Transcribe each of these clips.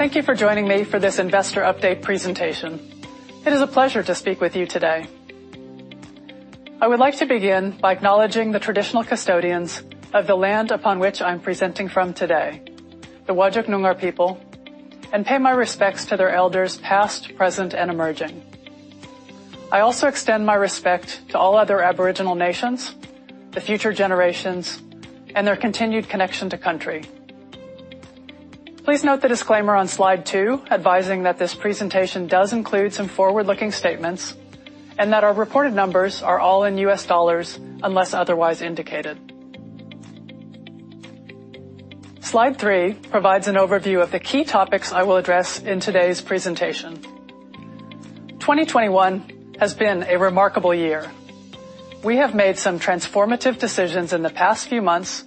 Thank you for joining me for this investor update presentation. It is a pleasure to speak with you today. I would like to begin by acknowledging the Traditional Custodians of the land upon which I'm presenting from today, the Whadjuk Noongar people, and pay my respects to their elders past, present, and emerging. I also extend my respect to all other Aboriginal nations, the future generations, and their continued connection to country. Please note the disclaimer on slide 2 advising that this presentation does include some forward-looking statements and that our reported numbers are all in US dollars unless otherwise indicated. Slide three provides an overview of the key topics I will address in today's presentation. 2021 has been a remarkable year. We have made some transformative decisions in the past few months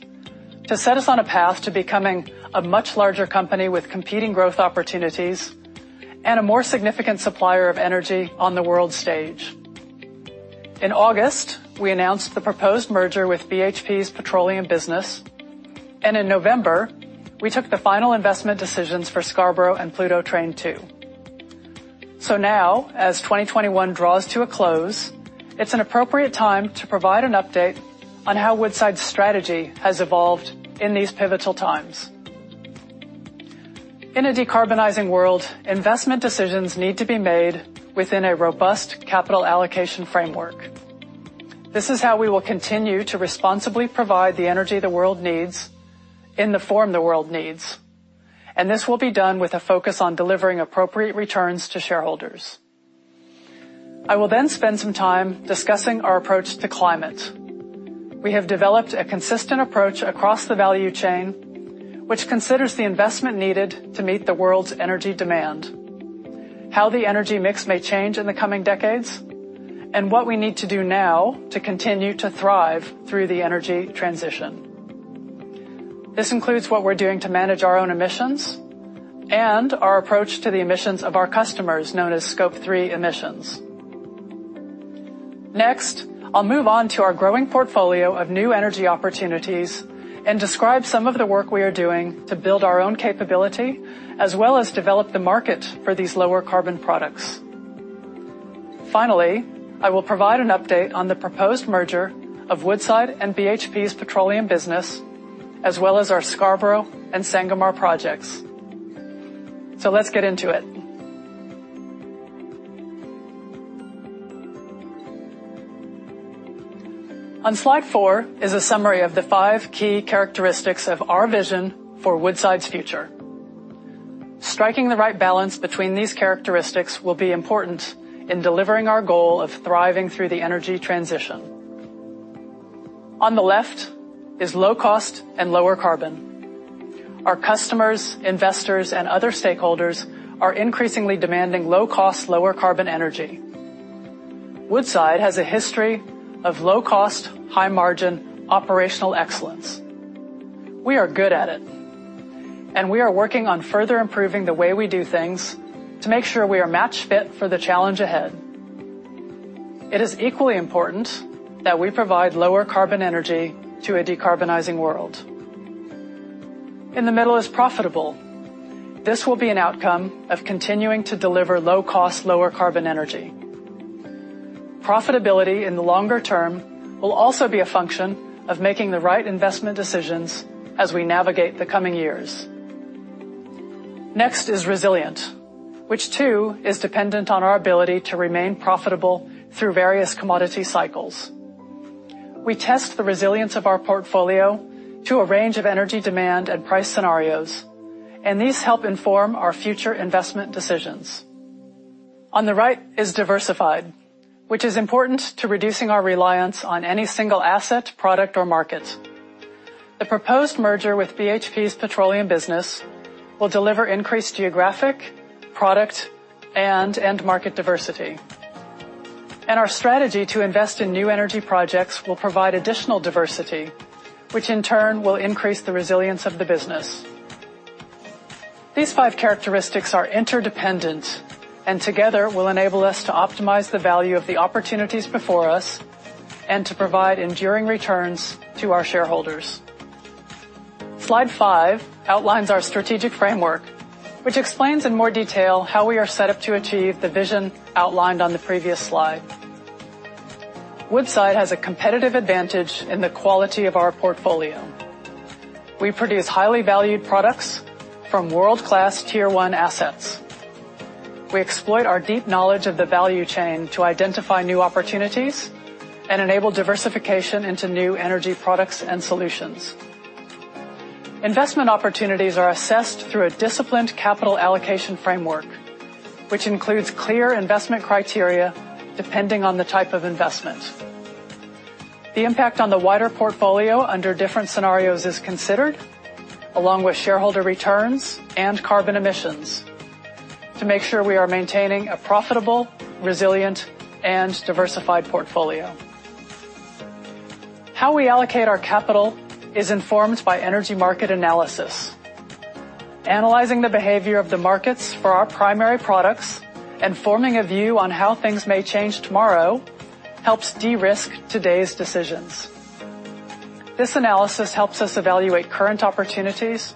to set us on a path to becoming a much larger company with competing growth opportunities and a more significant supplier of energy on the world stage. In August, we announced the proposed merger with BHP's petroleum business, and in November, we took the final investment decisions for Scarborough and Pluto Train 2. Now, as 2021 draws to a close, it's an appropriate time to provide an update on how Woodside's strategy has evolved in these pivotal times. In a decarbonizing world, investment decisions need to be made within a robust capital allocation framework. This is how we will continue to responsibly provide the energy the world needs in the form the world needs, and this will be done with a focus on delivering appropriate returns to shareholders. I will then spend some time discussing our approach to climate. We have developed a consistent approach across the value chain which considers the investment needed to meet the world's energy demand, how the energy mix may change in the coming decades, and what we need to do now to continue to thrive through the energy transition. This includes what we're doing to manage our own emissions and our approach to the emissions of our customers, known as Scope 3 emissions. Next, I'll move on to our growing portfolio of new energy opportunities and describe some of the work we are doing to build our own capability as well as develop the market for these lower carbon products. Finally, I will provide an update on the proposed merger of Woodside and BHP's Petroleum business, as well as our Scarborough and Sangomar projects. Let's get into it. On slide four is a summary of the five key characteristics of our vision for Woodside's future. Striking the right balance between these characteristics will be important in delivering our goal of thriving through the energy transition. On the left is low cost and lower carbon. Our customers, investors, and other stakeholders are increasingly demanding low cost, lower carbon energy. Woodside has a history of low cost, high margin operational excellence. We are good at it, and we are working on further improving the way we do things to make sure we are match fit for the challenge ahead. It is equally important that we provide lower carbon energy to a decarbonizing world. In the middle is profitable. This will be an outcome of continuing to deliver low cost, lower carbon energy. Profitability in the longer term will also be a function of making the right investment decisions as we navigate the coming years. Next is resilient, which too is dependent on our ability to remain profitable through various commodity cycles. We test the resilience of our portfolio to a range of energy demand and price scenarios, and these help inform our future investment decisions. On the right is diversified, which is important to reducing our reliance on any single asset, product, or market. The proposed merger with BHP's Petroleum business will deliver increased geographic, product, and end market diversity. Our strategy to invest in new energy projects will provide additional diversity, which in turn will increase the resilience of the business. These five characteristics are interdependent and together will enable us to optimize the value of the opportunities before us and to provide enduring returns to our shareholders. Slide five outlines our strategic framework, which explains in more detail how we are set up to achieve the vision outlined on the previous slide. Woodside has a competitive advantage in the quality of our portfolio. We produce highly valued products from world-class tier one assets. We exploit our deep knowledge of the value chain to identify new opportunities and enable diversification into new energy products and solutions. Investment opportunities are assessed through a disciplined capital allocation framework, which includes clear investment criteria depending on the type of investment. The impact on the wider portfolio under different scenarios is considered, along with shareholder returns and carbon emissions to make sure we are maintaining a profitable, resilient, and diversified portfolio. How we allocate our capital is informed by energy market analysis. Analyzing the behavior of the markets for our primary products and forming a view on how things may change tomorrow helps de-risk today's decisions. This analysis helps us evaluate current opportunities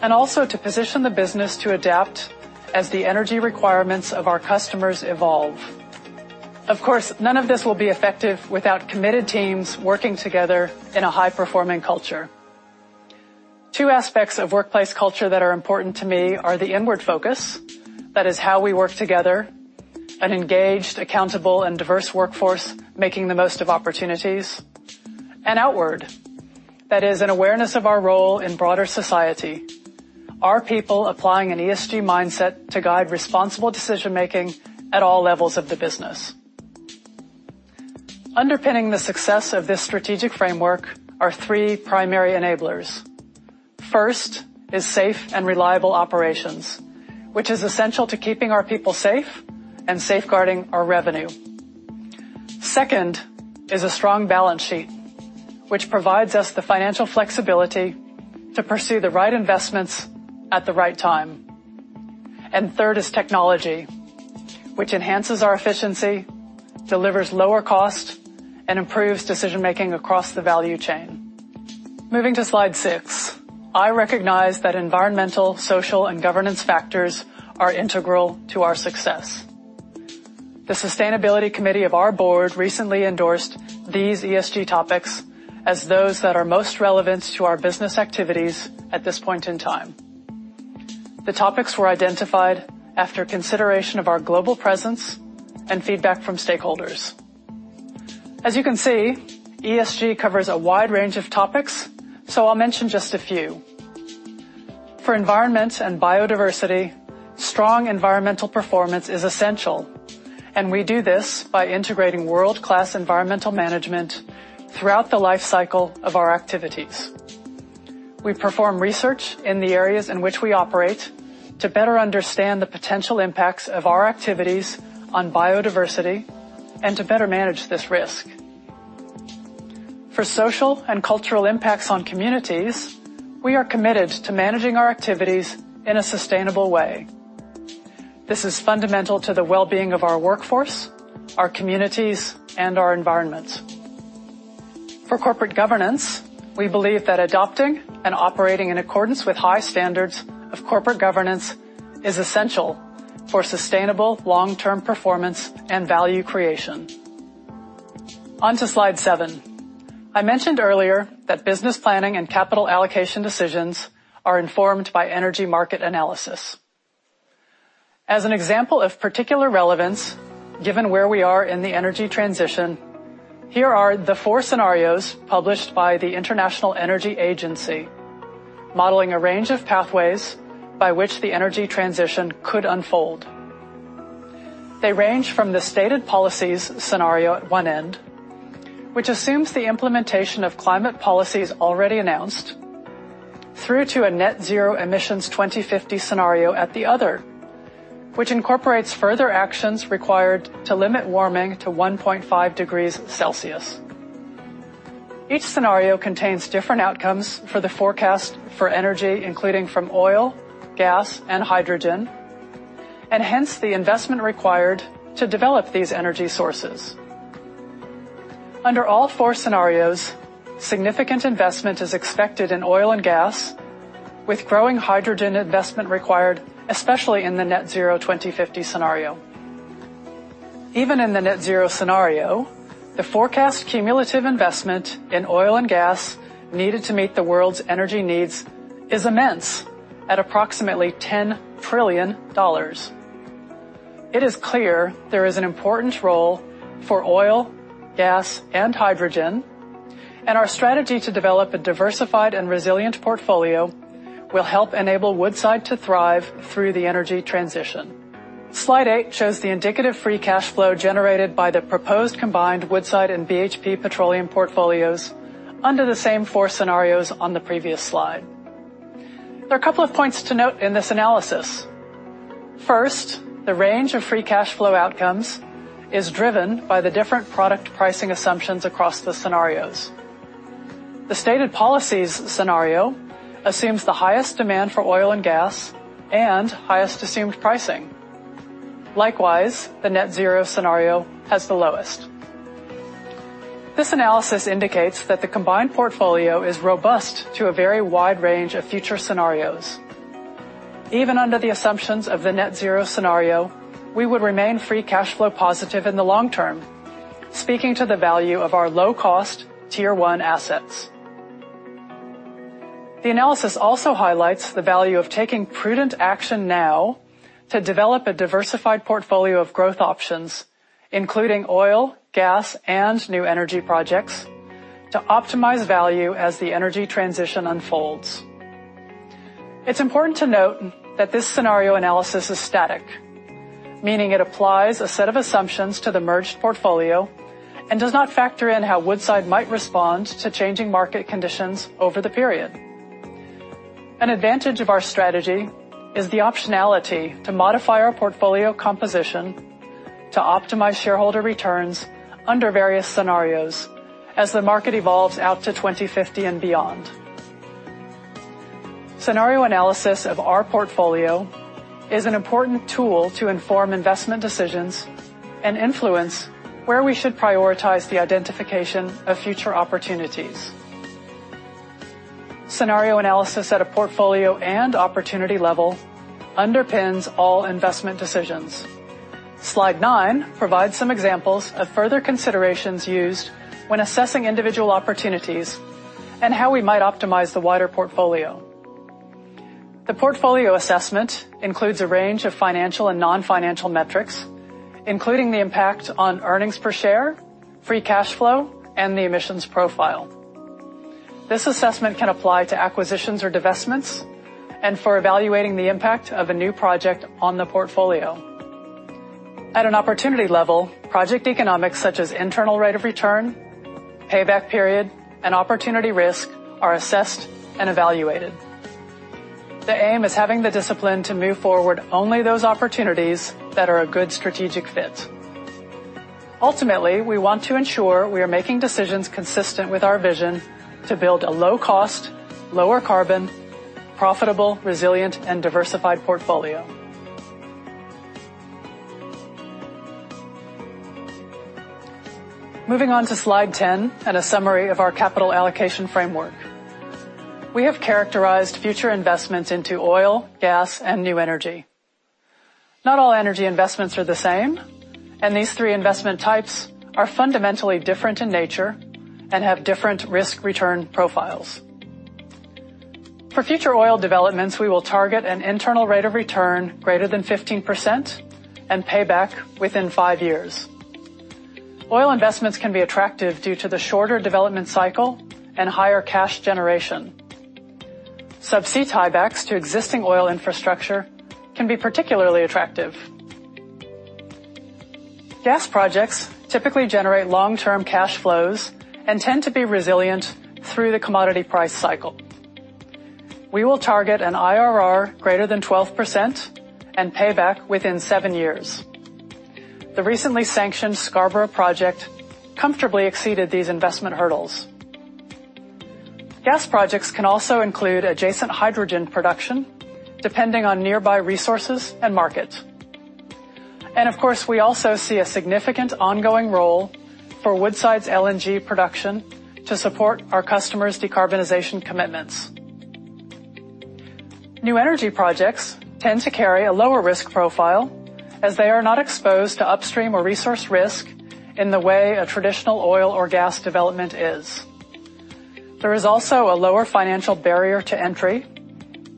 and also to position the business to adapt as the energy requirements of our customers evolve. Of course, none of this will be effective without committed teams working together in a high-performing culture. Two aspects of workplace culture that are important to me are the inward focus, that is how we work together, an engaged, accountable, and diverse workforce making the most of opportunities. Outward, that is an awareness of our role in broader society, our people applying an ESG mindset to guide responsible decision-making at all levels of the business. Underpinning the success of this strategic framework are three primary enablers. First is safe and reliable operations, which is essential to keeping our people safe and safeguarding our revenue. Second is a strong balance sheet, which provides us the financial flexibility to pursue the right investments at the right time. Third is technology, which enhances our efficiency, delivers lower cost, and improves decision-making across the value chain. Moving to slide six. I recognize that environmental, social, and governance factors are integral to our success. The Sustainability Committee of our board recently endorsed these ESG topics as those that are most relevant to our business activities at this point in time. The topics were identified after consideration of our global presence and feedback from stakeholders. As you can see, ESG covers a wide range of topics, so I'll mention just a few. For environment and biodiversity, strong environmental performance is essential, and we do this by integrating world-class environmental management throughout the life cycle of our activities. We perform research in the areas in which we operate to better understand the potential impacts of our activities on biodiversity and to better manage this risk. For social and cultural impacts on communities, we are committed to managing our activities in a sustainable way. This is fundamental to the well-being of our workforce, our communities, and our environments. For corporate governance, we believe that adopting and operating in accordance with high standards of corporate governance is essential for sustainable long-term performance and value creation. On to slide seven. I mentioned earlier that business planning and capital allocation decisions are informed by energy market analysis. As an example of particular relevance, given where we are in the energy transition, here are the 4 scenarios published by the International Energy Agency, modeling a range of pathways by which the energy transition could unfold. They range from the stated policies scenario at one end, which assumes the implementation of climate policies already announced, through to a net zero emissions 2050 scenario at the other, which incorporates further actions required to limit warming to 1.5 degrees Celsius. Each scenario contains different outcomes for the forecast for energy, including from oil, gas, and hydrogen, and hence the investment required to develop these energy sources. Under all 4 scenarios, significant investment is expected in oil and gas, with growing hydrogen investment required, especially in the net zero 2050 scenario. Even in the net zero scenario, the forecast cumulative investment in oil and gas needed to meet the world's energy needs is immense at approximately $10 trillion. It is clear there is an important role for oil, gas, and hydrogen, and our strategy to develop a diversified and resilient portfolio will help enable Woodside to thrive through the energy transition. Slide 8 shows the indicative free cash flow generated by the proposed combined Woodside and BHP Petroleum portfolios under the same four scenarios on the previous slide. There are a couple of points to note in this analysis. First, the range of free cash flow outcomes is driven by the different product pricing assumptions across the scenarios. The stated policies scenario assumes the highest demand for oil and gas and highest assumed pricing. Likewise, the net zero scenario has the lowest. This analysis indicates that the combined portfolio is robust to a very wide range of future scenarios. Even under the assumptions of the net zero scenario, we would remain free cash flow positive in the long term, speaking to the value of our low-cost tier-one assets. The analysis also highlights the value of taking prudent action now to develop a diversified portfolio of growth options, including oil, gas, and new energy projects to optimize value as the energy transition unfolds. It's important to note that this scenario analysis is static, meaning it applies a set of assumptions to the merged portfolio and does not factor in how Woodside might respond to changing market conditions over the period. An advantage of our strategy is the optionality to modify our portfolio composition to optimize shareholder returns under various scenarios as the market evolves out to 2050 and beyond. Scenario analysis of our portfolio is an important tool to inform investment decisions and influence where we should prioritize the identification of future opportunities. Scenario analysis at a portfolio and opportunity level underpins all investment decisions. Slide nine provides some examples of further considerations used when assessing individual opportunities and how we might optimize the wider portfolio. The portfolio assessment includes a range of financial and non-financial metrics, including the impact on earnings per share, free cash flow, and the emissions profile. This assessment can apply to acquisitions or divestments, and for evaluating the impact of a new project on the portfolio. At an opportunity level, project economics such as internal rate of return, payback period, and opportunity risk are assessed and evaluated. The aim is having the discipline to move forward only those opportunities that are a good strategic fit. Ultimately, we want to ensure we are making decisions consistent with our vision to build a low cost, lower carbon, profitable, resilient, and diversified portfolio. Moving on to slide 10 and a summary of our capital allocation framework. We have characterized future investments into oil, gas, and new energy. Not all energy investments are the same, and these three investment types are fundamentally different in nature and have different risk-return profiles. For future oil developments, we will target an internal rate of return greater than 15% and payback within 5 years. Oil investments can be attractive due to the shorter development cycle and higher cash generation. Subsea tiebacks to existing oil infrastructure can be particularly attractive. Gas projects typically generate long-term cash flows and tend to be resilient through the commodity price cycle. We will target an IRR greater than 12% and payback within 7 years. The recently sanctioned Scarborough project comfortably exceeded these investment hurdles. Gas projects can also include adjacent hydrogen production, depending on nearby resources and market. Of course, we also see a significant ongoing role for Woodside's LNG production to support our customers' decarbonization commitments. New energy projects tend to carry a lower risk profile, as they are not exposed to upstream or resource risk in the way a traditional oil or gas development is. There is also a lower financial barrier to entry,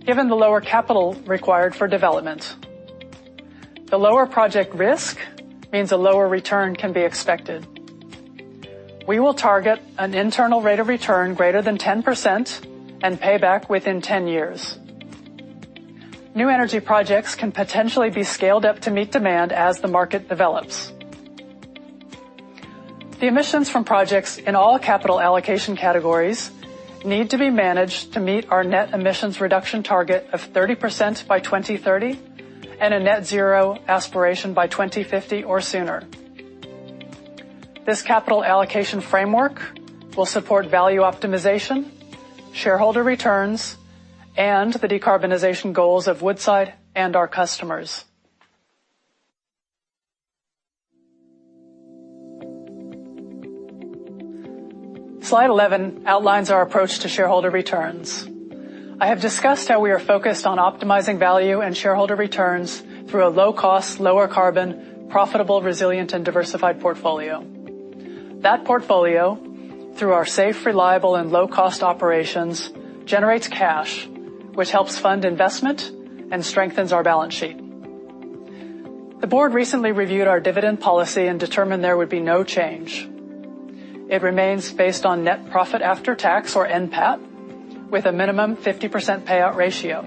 given the lower capital required for development. The lower project risk means a lower return can be expected. We will target an internal rate of return greater than 10% and payback within 10 years. New energy projects can potentially be scaled up to meet demand as the market develops. The emissions from projects in all capital allocation categories need to be managed to meet our net emissions reduction target of 30% by 2030, and a net zero aspiration by 2050 or sooner. This capital allocation framework will support value optimization, shareholder returns, and the decarbonization goals of Woodside and our customers. Slide 11 outlines our approach to shareholder returns. I have discussed how we are focused on optimizing value and shareholder returns through a low cost, lower carbon, profitable, resilient, and diversified portfolio. That portfolio, through our safe, reliable, and low-cost operations, generates cash, which helps fund investment and strengthens our balance sheet. The board recently reviewed our dividend policy and determined there would be no change. It remains based on net profit after tax, or NPAT, with a minimum 50% payout ratio.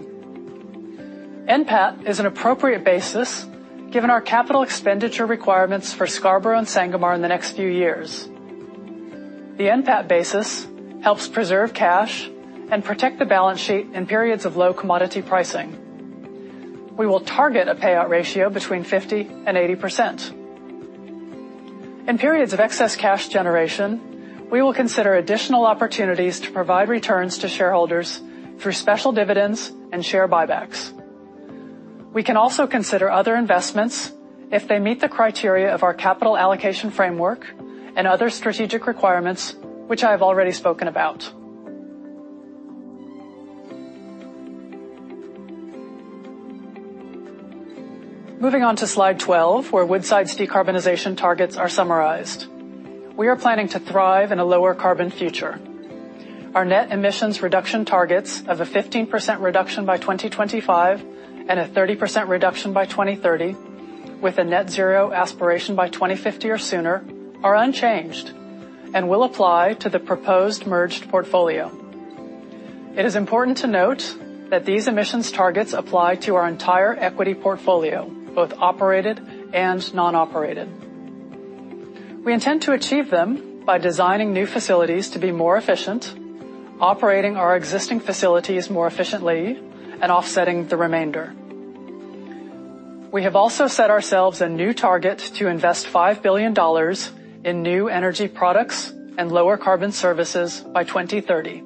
NPAT is an appropriate basis given our capital expenditure requirements for Scarborough and Sangomar in the next few years. The NPAT basis helps preserve cash and protect the balance sheet in periods of low commodity pricing. We will target a payout ratio between 50% and 80%. In periods of excess cash generation, we will consider additional opportunities to provide returns to shareholders through special dividends and share buybacks. We can also consider other investments if they meet the criteria of our capital allocation framework and other strategic requirements which I have already spoken about. Moving on to slide 12, where Woodside's decarbonization targets are summarized. We are planning to thrive in a lower carbon future. Our net emissions reduction targets of a 15% reduction by 2025 and a 30% reduction by 2030, with a net zero aspiration by 2050 or sooner, are unchanged and will apply to the proposed merged portfolio. It is important to note that these emissions targets apply to our entire equity portfolio, both operated and non-operated. We intend to achieve them by designing new facilities to be more efficient, operating our existing facilities more efficiently, and offsetting the remainder. We have also set ourselves a new target to invest $5 billion in new energy products and lower carbon services by 2030.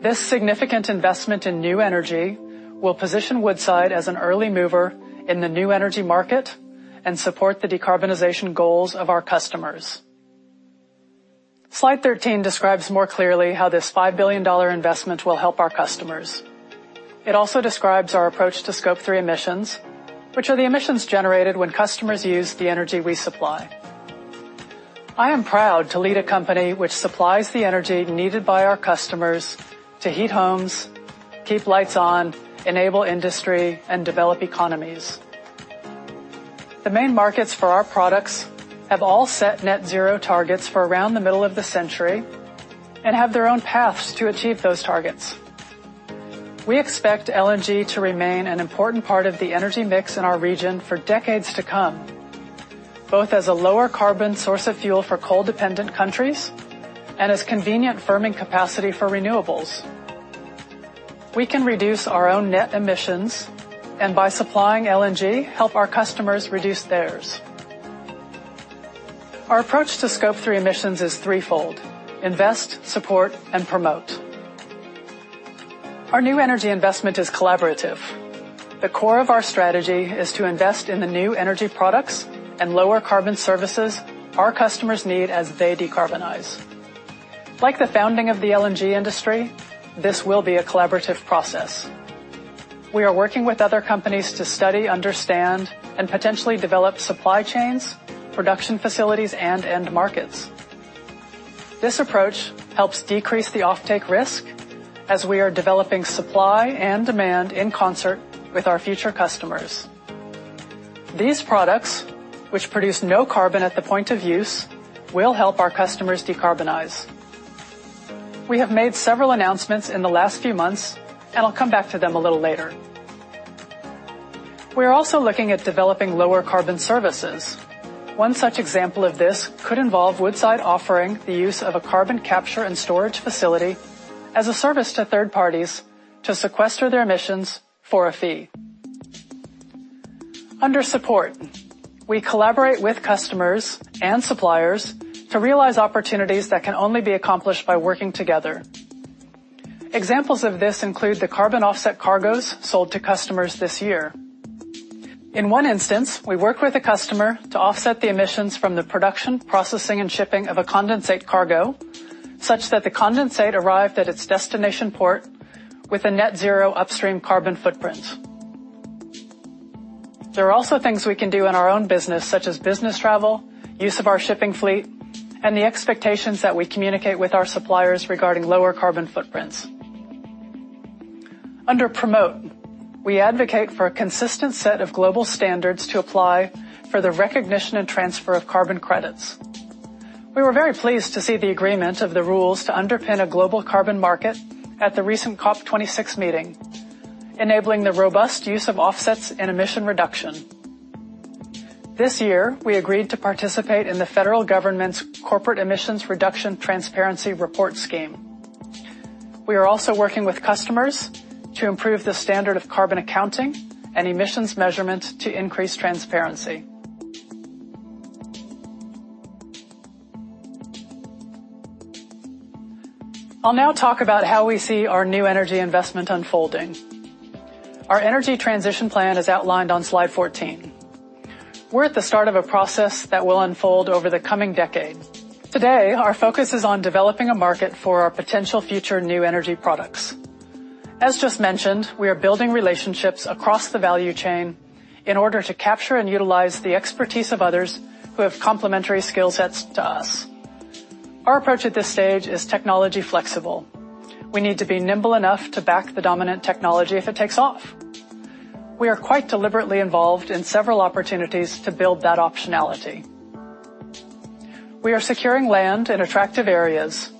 This significant investment in new energy will position Woodside as an early mover in the new energy market and support the decarbonization goals of our customers. Slide 13 describes more clearly how this $5 billion investment will help our customers. It also describes our approach to Scope 3 emissions, which are the emissions generated when customers use the energy we supply. I am proud to lead a company which supplies the energy needed by our customers to heat homes, keep lights on, enable industry, and develop economies. The main markets for our products have all set net zero targets for around the middle of the century and have their own paths to achieve those targets. We expect LNG to remain an important part of the energy mix in our region for decades to come, both as a lower carbon source of fuel for coal-dependent countries and as convenient firming capacity for renewables. We can reduce our own net emissions and by supplying LNG, help our customers reduce theirs. Our approach to Scope 3 emissions is threefold, invest, support, and promote. Our new energy investment is collaborative. The core of our strategy is to invest in the new energy products and lower carbon services our customers need as they decarbonize. Like the founding of the LNG industry, this will be a collaborative process. We are working with other companies to study, understand, and potentially develop supply chains, production facilities, and end markets. This approach helps decrease the offtake risk as we are developing supply and demand in concert with our future customers. These products, which produce no carbon at the point of use, will help our customers decarbonize. We have made several announcements in the last few months, and I'll come back to them a little later. We're also looking at developing lower carbon services. One such example of this could involve Woodside offering the use of a carbon capture and storage facility as a service to third parties to sequester their emissions for a fee. Under support, we collaborate with customers and suppliers to realize opportunities that can only be accomplished by working together. Examples of this include the carbon offset cargoes sold to customers this year. In one instance, we work with a customer to offset the emissions from the production, processing, and shipping of a condensate cargo, such that the condensate arrived at its destination port with a net zero upstream carbon footprint. There are also things we can do in our own business, such as business travel, use of our shipping fleet, and the expectations that we communicate with our suppliers regarding lower carbon footprints. Under promote, we advocate for a consistent set of global standards to apply for the recognition and transfer of carbon credits. We were very pleased to see the agreement of the rules to underpin a global carbon market at the recent COP26 meeting, enabling the robust use of offsets and emissions reduction. This year, we agreed to participate in the federal government's Corporate Emissions Reduction Transparency Report scheme. We are also working with customers to improve the standard of carbon accounting and emissions measurement to increase transparency. I'll now talk about how we see our new energy investment unfolding. Our energy transition plan is outlined on slide 14. We're at the start of a process that will unfold over the coming decade. Today, our focus is on developing a market for our potential future new energy products. As just mentioned, we are building relationships across the value chain in order to capture and utilize the expertise of others who have complementary skill sets to us. Our approach at this stage is technology flexible. We need to be nimble enough to back the dominant technology if it takes off. We are quite deliberately involved in several opportunities to build that optionality. We are securing land in attractive areas,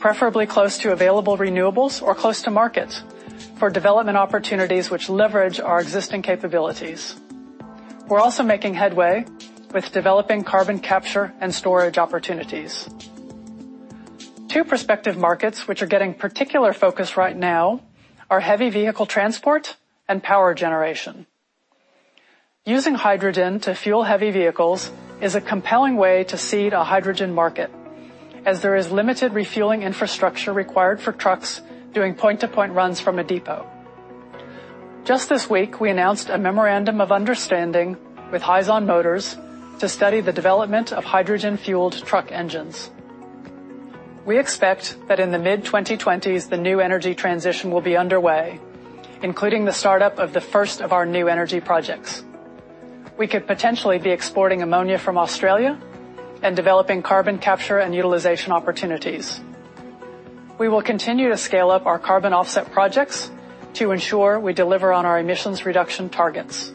preferably close to available renewables or close to market for development opportunities which leverage our existing capabilities. We're also making headway with developing carbon capture and storage opportunities. Two prospective markets which are getting particular focus right now are heavy vehicle transport and power generation. Using hydrogen to fuel heavy vehicles is a compelling way to seed a hydrogen market as there is limited refueling infrastructure required for trucks doing point-to-point runs from a depot. Just this week, we announced a memorandum of understanding with Hyzon Motors to study the development of hydrogen-fueled truck engines. We expect that in the mid-2020s, the new energy transition will be underway, including the startup of the first of our new energy projects. We could potentially be exporting ammonia from Australia and developing carbon capture and utilization opportunities. We will continue to scale up our carbon offset projects to ensure we deliver on our emissions reduction targets.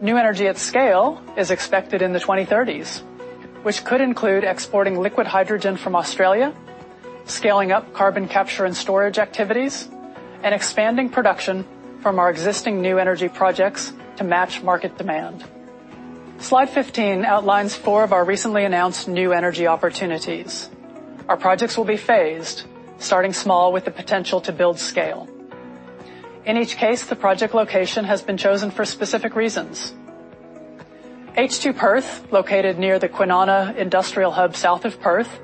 New energy at scale is expected in the 2030s. Which could include exporting liquid hydrogen from Australia, scaling up carbon capture and storage activities, and expanding production from our existing new energy projects to match market demand. Slide 15 outlines four of our recently announced new energy opportunities. Our projects will be phased, starting small with the potential to build scale. In each case, the project location has been chosen for specific reasons. H2 Perth, located near the Kwinana Industrial hub south of Perth,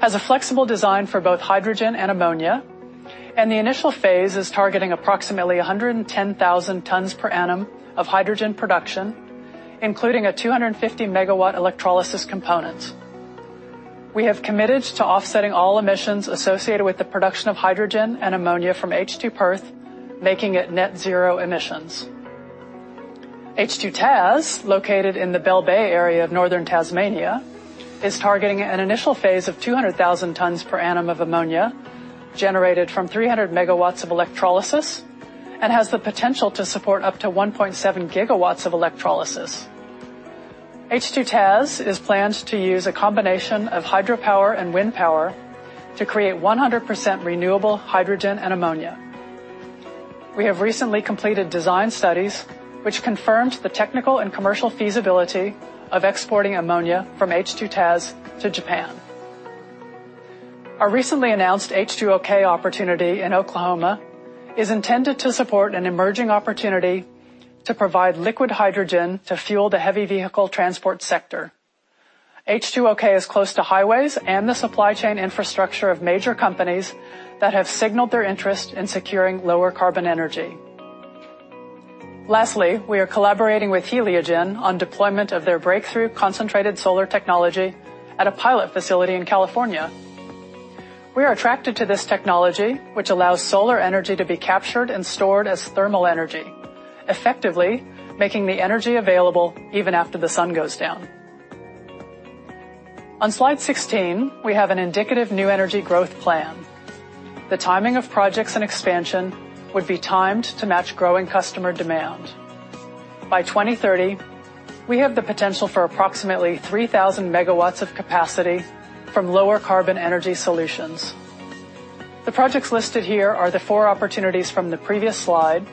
has a flexible design for both hydrogen and ammonia, and the initial phase is targeting approximately 110,000 tons per annum of hydrogen production, including a 250 MW electrolysis component. We have committed to offsetting all emissions associated with the production of hydrogen and ammonia from H2 Perth, making it net zero emissions. H2TAS, located in the Bell Bay area of northern Tasmania, is targeting an initial phase of 200,000 tons per annum of ammonia generated from 300 MW of electrolysis and has the potential to support up to 1.7 GW of electrolysis. H2TAS is planned to use a combination of hydropower and wind power to create 100% renewable hydrogen and ammonia. We have recently completed design studies which confirmed the technical and commercial feasibility of exporting ammonia from H2TAS to Japan. Our recently announced H2OK opportunity in Oklahoma is intended to support an emerging opportunity to provide liquid hydrogen to fuel the heavy vehicle transport sector. H2OK is close to highways and the supply chain infrastructure of major companies that have signaled their interest in securing lower carbon energy. Lastly, we are collaborating with Heliogen on deployment of their breakthrough concentrated solar technology at a pilot facility in California. We are attracted to this technology, which allows solar energy to be captured and stored as thermal energy, effectively making the energy available even after the sun goes down. On slide 16, we have an indicative new energy growth plan. The timing of projects and expansion would be timed to match growing customer demand. By 2030, we have the potential for approximately 3,000 MW of capacity from lower carbon energy solutions. The projects listed here are the four opportunities from the previous slide,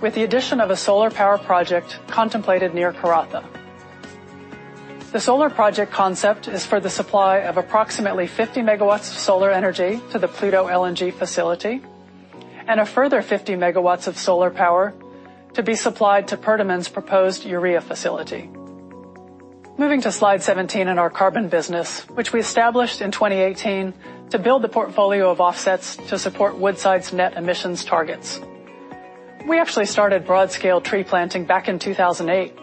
with the addition of a solar power project contemplated near Karratha. The solar project concept is for the supply of approximately 50 MW of solar energy to the Pluto LNG facility and a further 50 MW of solar power to be supplied to Perdaman's proposed urea facility. Moving to slide 17 in our carbon business, which we established in 2018 to build the portfolio of offsets to support Woodside's net emissions targets. We actually started broad scale tree planting back in 2008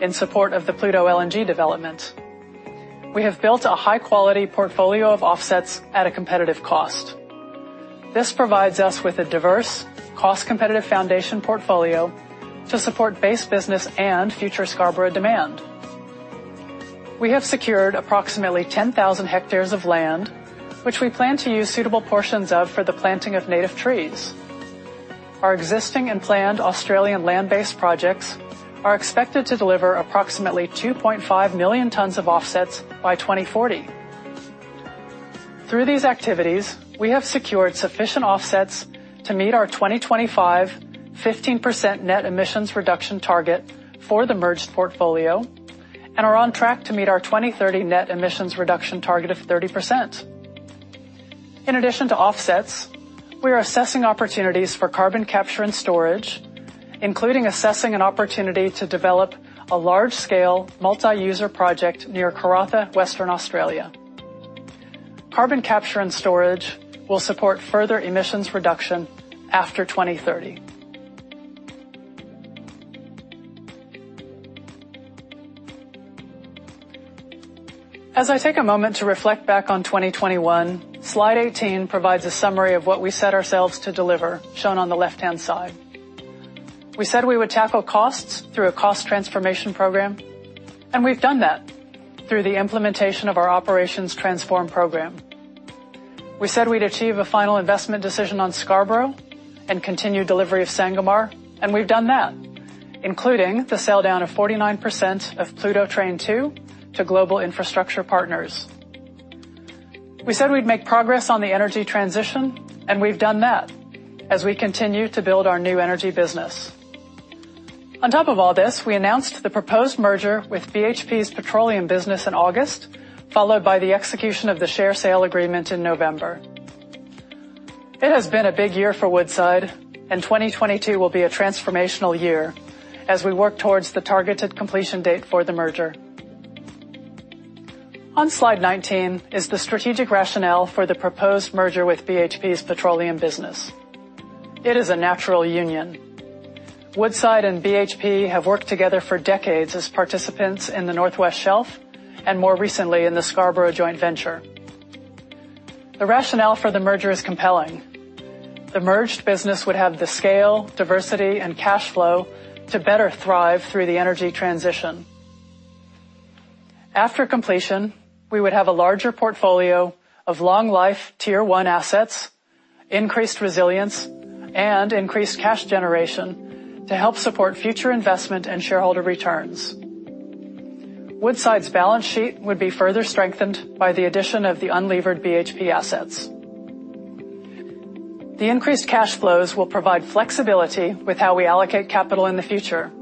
in support of the Pluto LNG development. We have built a high quality portfolio of offsets at a competitive cost. This provides us with a diverse, cost-competitive foundation portfolio to support base business and future Scarborough demand. We have secured approximately 10,000 hectares of land, which we plan to use suitable portions of for the planting of native trees. Our existing and planned Australian land-based projects are expected to deliver approximately 2.5 million tons of offsets by 2040. Through these activities, we have secured sufficient offsets to meet our 2025 15% net emissions reduction target for the merged portfolio and are on track to meet our 2030 net emissions reduction target of 30%. In addition to offsets, we are assessing opportunities for carbon capture and storage, including assessing an opportunity to develop a large-scale multi-user project near Karratha, Western Australia. Carbon capture and storage will support further emissions reduction after 2030. As I take a moment to reflect back on 2021, slide 18 provides a summary of what we set ourselves to deliver, shown on the left-hand side. We said we would tackle costs through a cost transformation program, and we've done that through the implementation of our Operations Transform program. We said we'd achieve a final investment decision on Scarborough and continue delivery of Sangomar, and we've done that, including the sell down of 49% of Pluto Train 2 to Global Infrastructure Partners. We said we'd make progress on the energy transition, and we've done that as we continue to build our new energy business. On top of all this, we announced the proposed merger with BHP's petroleum business in August, followed by the execution of the share sale agreement in November. It has been a big year for Woodside, and 2022 will be a transformational year as we work towards the targeted completion date for the merger. On slide 19 is the strategic rationale for the proposed merger with BHP's petroleum business. It is a natural union. Woodside and BHP have worked together for decades as participants in the Northwest Shelf and more recently in the Scarborough joint venture. The rationale for the merger is compelling. The merged business would have the scale, diversity, and cash flow to better thrive through the energy transition. After completion, we would have a larger portfolio of long life Tier one assets. Increased resilience and increased cash generation to help support future investment and shareholder returns. Woodside's balance sheet would be further strengthened by the addition of the unlevered BHP assets. The increased cash flows will provide flexibility with how we allocate capital in the future.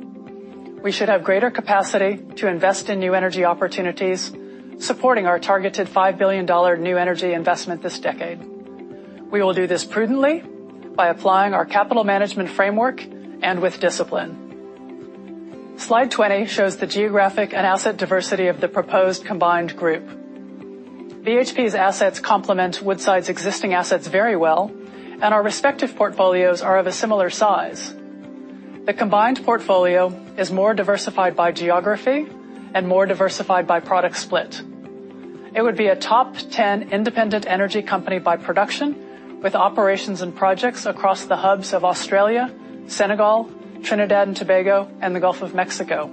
We should have greater capacity to invest in new energy opportunities, supporting our targeted AUD 5 billion new energy investment this decade. We will do this prudently by applying our capital management framework and with discipline. Slide 20 shows the geographic and asset diversity of the proposed combined group. BHP's assets complement Woodside's existing assets very well, and our respective portfolios are of a similar size. The combined portfolio is more diversified by geography and more diversified by product split. It would be a top 10 independent energy company by production, with operations and projects across the hubs of Australia, Senegal, Trinidad and Tobago, and the Gulf of Mexico.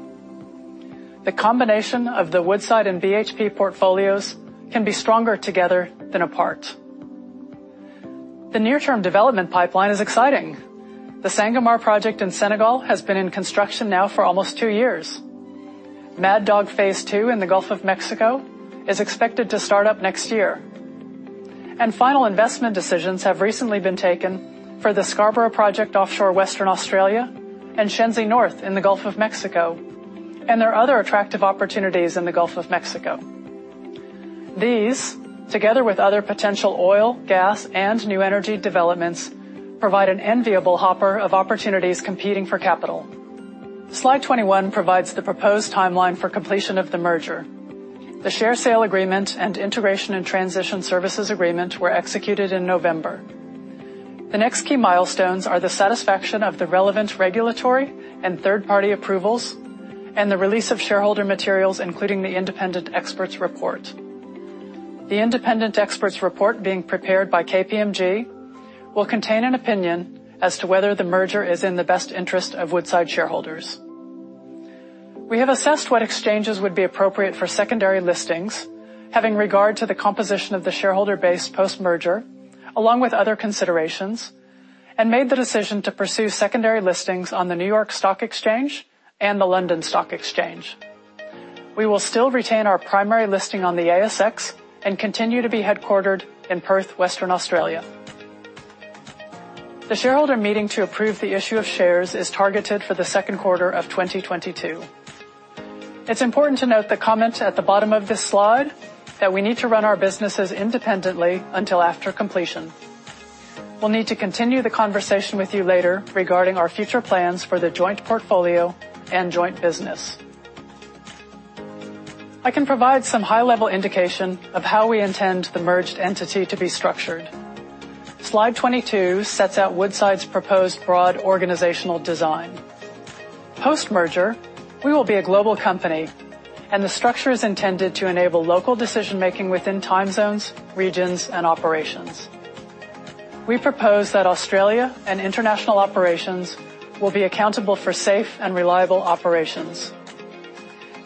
The combination of the Woodside and BHP portfolios can be stronger together than apart. The near-term development pipeline is exciting. The Sangomar project in Senegal has been in construction now for almost two years. Mad Dog Phase II in the Gulf of Mexico is expected to start up next year. Final investment decisions have recently been taken for the Scarborough Project offshore Western Australia and Shenzi North in the Gulf of Mexico. There are other attractive opportunities in the Gulf of Mexico. These, together with other potential oil, gas, and new energy developments, provide an enviable hopper of opportunities competing for capital. Slide 21 provides the proposed timeline for completion of the merger. The share sale agreement and integration and transition services agreement were executed in November. The next key milestones are the satisfaction of the relevant regulatory and third-party approvals and the release of shareholder materials, including the independent expert's report. The independent experts report being prepared by KPMG will contain an opinion as to whether the merger is in the best interest of Woodside shareholders. We have assessed what exchanges would be appropriate for secondary listings, having regard to the composition of the shareholder base post-merger, along with other considerations, and made the decision to pursue secondary listings on the New York Stock Exchange and the London Stock Exchange. We will still retain our primary listing on the ASX and continue to be headquartered in Perth, Western Australia. The shareholder meeting to approve the issue of shares is targeted for the second quarter of 2022. It's important to note the comment at the bottom of this slide that we need to run our businesses independently until after completion. We'll need to continue the conversation with you later regarding our future plans for the joint portfolio and joint business. I can provide some high-level indication of how we intend the merged entity to be structured. Slide 22 sets out Woodside's proposed broad organizational design. Post-merger, we will be a global company, and the structure is intended to enable local decision-making within time zones, regions, and operations. We propose that Australia and international operations will be accountable for safe and reliable operations.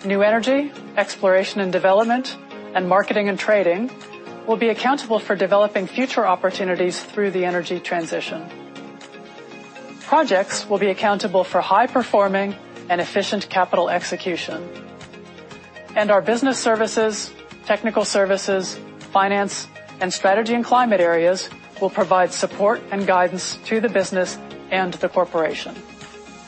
New energy, exploration and development, and marketing and trading will be accountable for developing future opportunities through the energy transition. Projects will be accountable for high performing and efficient capital execution. Our business services, technical services, finance, and strategy and climate areas will provide support and guidance to the business and the corporation.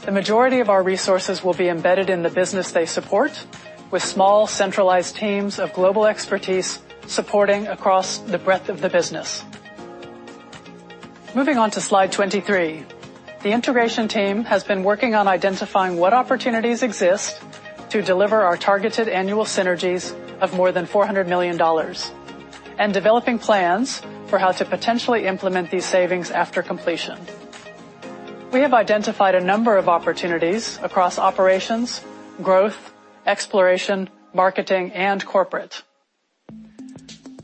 The majority of our resources will be embedded in the business they support, with small centralized teams of global expertise supporting across the breadth of the business. Moving on to slide 23. The integration team has been working on identifying what opportunities exist to deliver our targeted annual synergies of more than $400 million, and developing plans for how to potentially implement these savings after completion. We have identified a number of opportunities across operations, growth, exploration, marketing, and corporate.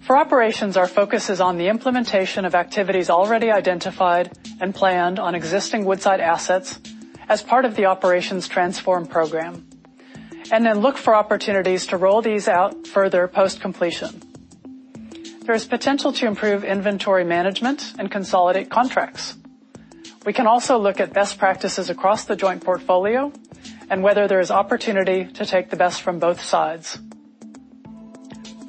For operations, our focus is on the implementation of activities already identified and planned on existing Woodside assets as part of the Operations Transform program, and then look for opportunities to roll these out further post-completion. There is potential to improve inventory management and consolidate contracts. We can also look at best practices across the joint portfolio and whether there is opportunity to take the best from both sides.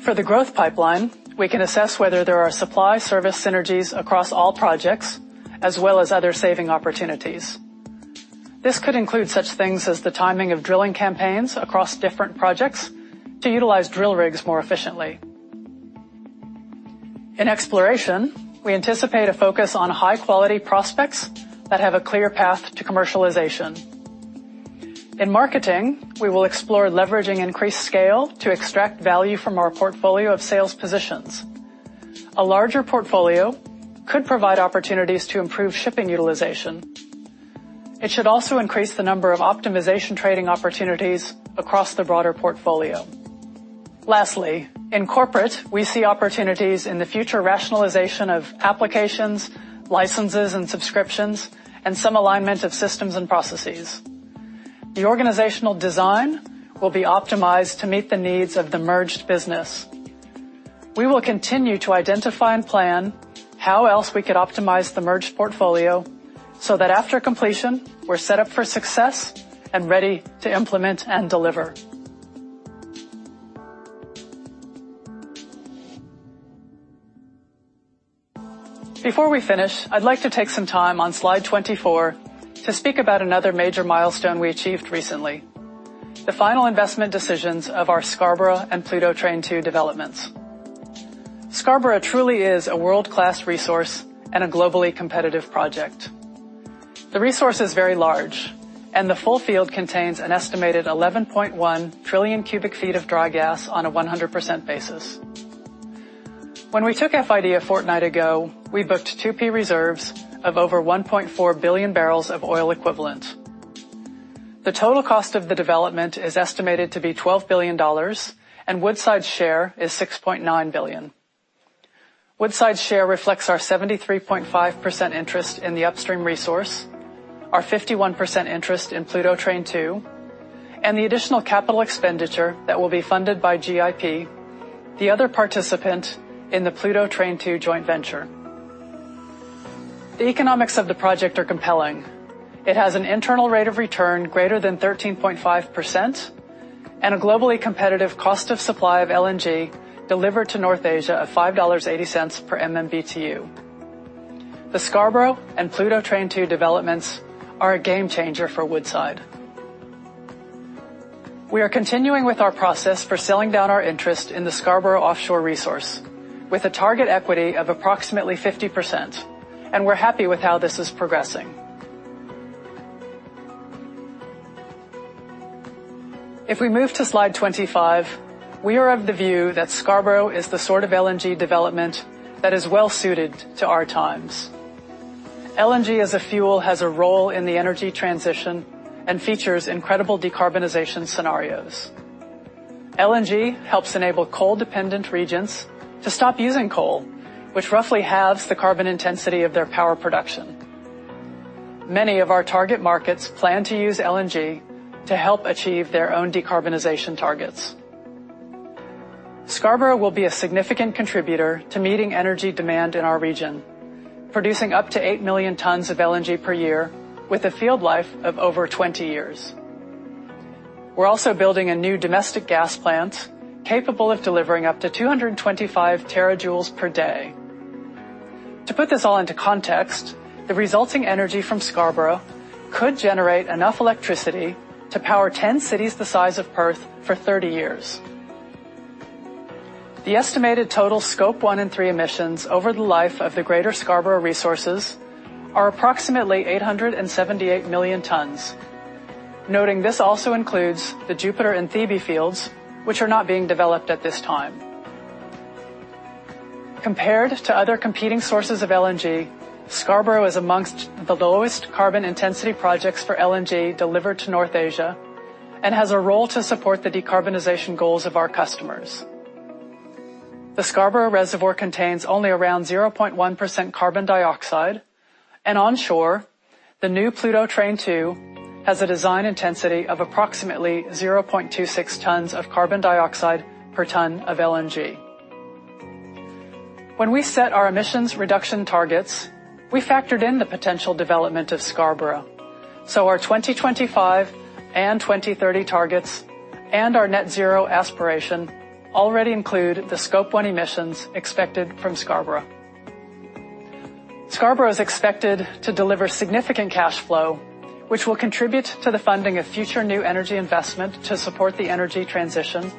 For the growth pipeline, we can assess whether there are supply service synergies across all projects as well as other saving opportunities. This could include such things as the timing of drilling campaigns across different projects to utilize drill rigs more efficiently. In exploration, we anticipate a focus on high-quality prospects that have a clear path to commercialization. In marketing, we will explore leveraging increased scale to extract value from our portfolio of sales positions. A larger portfolio could provide opportunities to improve shipping utilization. It should also increase the number of optimization trading opportunities across the broader portfolio. Lastly, in corporate, we see opportunities in the future rationalization of applications, licenses, and subscriptions, and some alignment of systems and processes. The organizational design will be optimized to meet the needs of the merged business. We will continue to identify and plan how else we could optimize the merged portfolio so that after completion, we're set up for success and ready to implement and deliver. Before we finish, I'd like to take some time on slide 24 to speak about another major milestone we achieved recently, the final investment decisions of our Scarborough and Pluto Train 2 developments. Scarborough truly is a world-class resource and a globally competitive project. The resource is very large, and the full field contains an estimated 11.1 trillion cubic feet of dry gas on a 100% basis. When we took FID a fortnight ago, we booked 2P reserves of over 1.4 billion barrels of oil equivalent. The total cost of the development is estimated to be $12 billion, and Woodside's share is $6.9 billion. Woodside's share reflects our 73.5% interest in the upstream resource, our 51% interest in Pluto Train 2, and the additional capital expenditure that will be funded by GIP, the other participant in the Pluto Train 2 joint venture. The economics of the project are compelling. It has an internal rate of return greater than 13.5% and a globally competitive cost of supply of LNG delivered to North Asia of $5.80 per MMBTU. The Scarborough and Pluto Train 2 developments are a game changer for Woodside. We are continuing with our process for selling down our interest in the Scarborough offshore resource with a target equity of approximately 50%, and we're happy with how this is progressing. If we move to slide 25, we are of the view that Scarborough is the sort of LNG development that is well-suited to our times. LNG as a fuel has a role in the energy transition and features incredible decarbonization scenarios. LNG helps enable coal-dependent regions to stop using coal, which roughly halves the carbon intensity of their power production. Many of our target markets plan to use LNG to help achieve their own decarbonization targets. Scarborough will be a significant contributor to meeting energy demand in our region, producing up to 8 million tons of LNG per year with a field life of over 20 years. We're also building a new domestic gas plant capable of delivering up to 225 terajoules per day. To put this all into context, the resulting energy from Scarborough could generate enough electricity to power 10 cities the size of Perth for 30 years. The estimated total Scope 1 and 3 emissions over the life of the greater Scarborough resources are approximately 878 million tons. Noting this also includes the Jupiter and Thebe fields, which are not being developed at this time. Compared to other competing sources of LNG, Scarborough is amongst the lowest carbon intensity projects for LNG delivered to North Asia and has a role to support the decarbonization goals of our customers. The Scarborough reservoir contains only around 0.1% carbon dioxide, and onshore, the new Pluto Train 2 has a design intensity of approximately 0.26 tons of carbon dioxide per ton of LNG. When we set our emissions reduction targets, we factored in the potential development of Scarborough, so our 2025 and 2030 targets and our net zero aspiration already include the Scope 1 emissions expected from Scarborough. Scarborough is expected to deliver significant cash flow, which will contribute to the funding of future new energy investment to support the energy transition,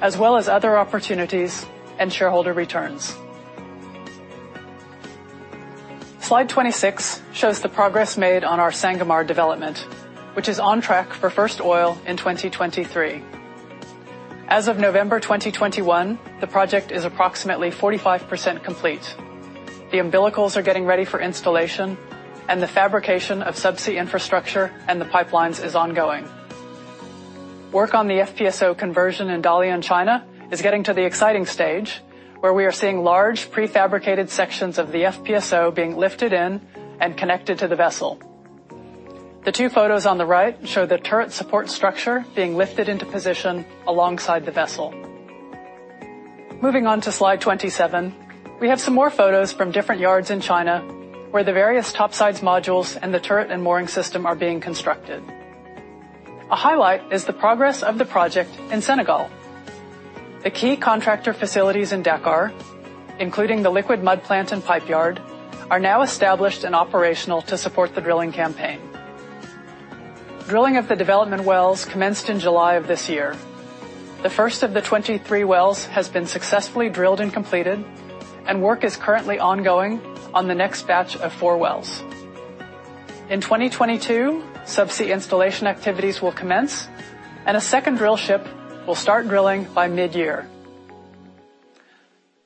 as well as other opportunities and shareholder returns. Slide 26 shows the progress made on our Sangomar development, which is on track for first oil in 2023. As of November 2021, the project is approximately 45% complete. The umbilicals are getting ready for installation and the fabrication of subsea infrastructure and the pipelines is ongoing. Work on the FPSO conversion in Dalian, China is getting to the exciting stage where we are seeing large prefabricated sections of the FPSO being lifted in and connected to the vessel. The two photos on the right show the turret support structure being lifted into position alongside the vessel. Moving on to slide 27, we have some more photos from different yards in China where the various topsides modules and the turret and mooring system are being constructed. A highlight is the progress of the project in Senegal. The key contractor facilities in Dakar, including the liquid mud plant and pipe yard, are now established and operational to support the drilling campaign. Drilling of the development wells commenced in July of this year. The first of the 23 wells has been successfully drilled and completed, and work is currently ongoing on the next batch of four wells. In 2022, subsea installation activities will commence, and a second drill ship will start drilling by mid-year.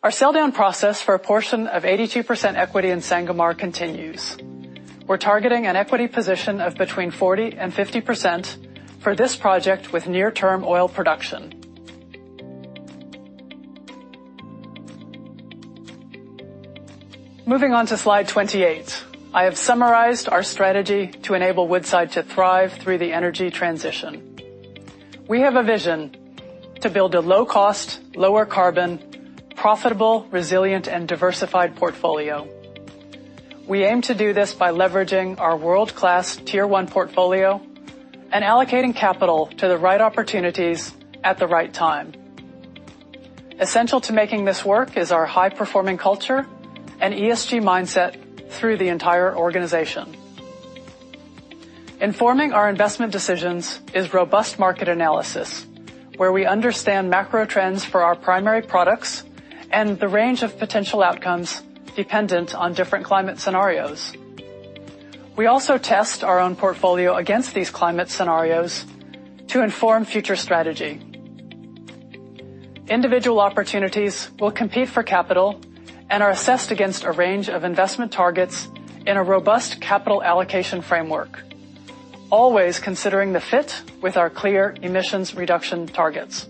Our sell down process for a portion of 82% equity in Sangomar continues. We're targeting an equity position of between 40% and 50% for this project with near-term oil production. Moving on to slide 28. I have summarized our strategy to enable Woodside to thrive through the energy transition. We have a vision to build a low cost, lower carbon, profitable, resilient, and diversified portfolio. We aim to do this by leveraging our world-class tier one portfolio and allocating capital to the right opportunities at the right time. Essential to making this work is our high-performing culture and ESG mindset through the entire organization. Informing our investment decisions is robust market analysis, where we understand macro trends for our primary products and the range of potential outcomes dependent on different climate scenarios. We also test our own portfolio against these climate scenarios to inform future strategy. Individual opportunities will compete for capital and are assessed against a range of investment targets in a robust capital allocation framework, always considering the fit with our clear emissions reduction targets.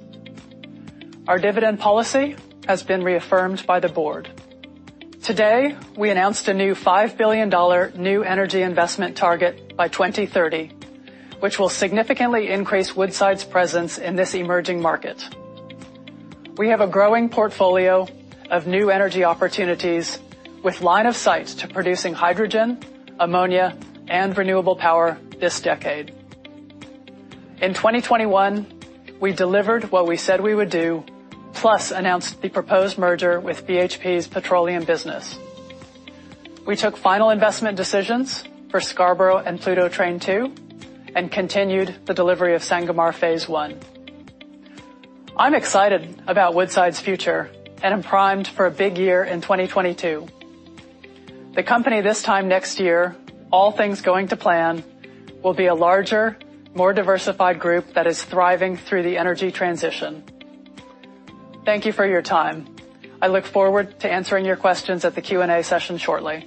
Our dividend policy has been reaffirmed by the board. Today, we announced a new $5 billion new energy investment target by 2030, which will significantly increase Woodside's presence in this emerging market. We have a growing portfolio of new energy opportunities with line of sight to producing hydrogen, ammonia, and renewable power this decade. In 2021, we delivered what we said we would do, plus announced the proposed merger with BHP's petroleum business. We took final investment decisions for Scarborough and Pluto Train 2 and continued the delivery of Sangomar Phase I. I'm excited about Woodside's future and I'm primed for a big year in 2022. The company this time next year, all things going to plan, will be a larger, more diversified group that is thriving through the energy transition. Thank you for your time. I look forward to answering your questions at the Q&A session shortly.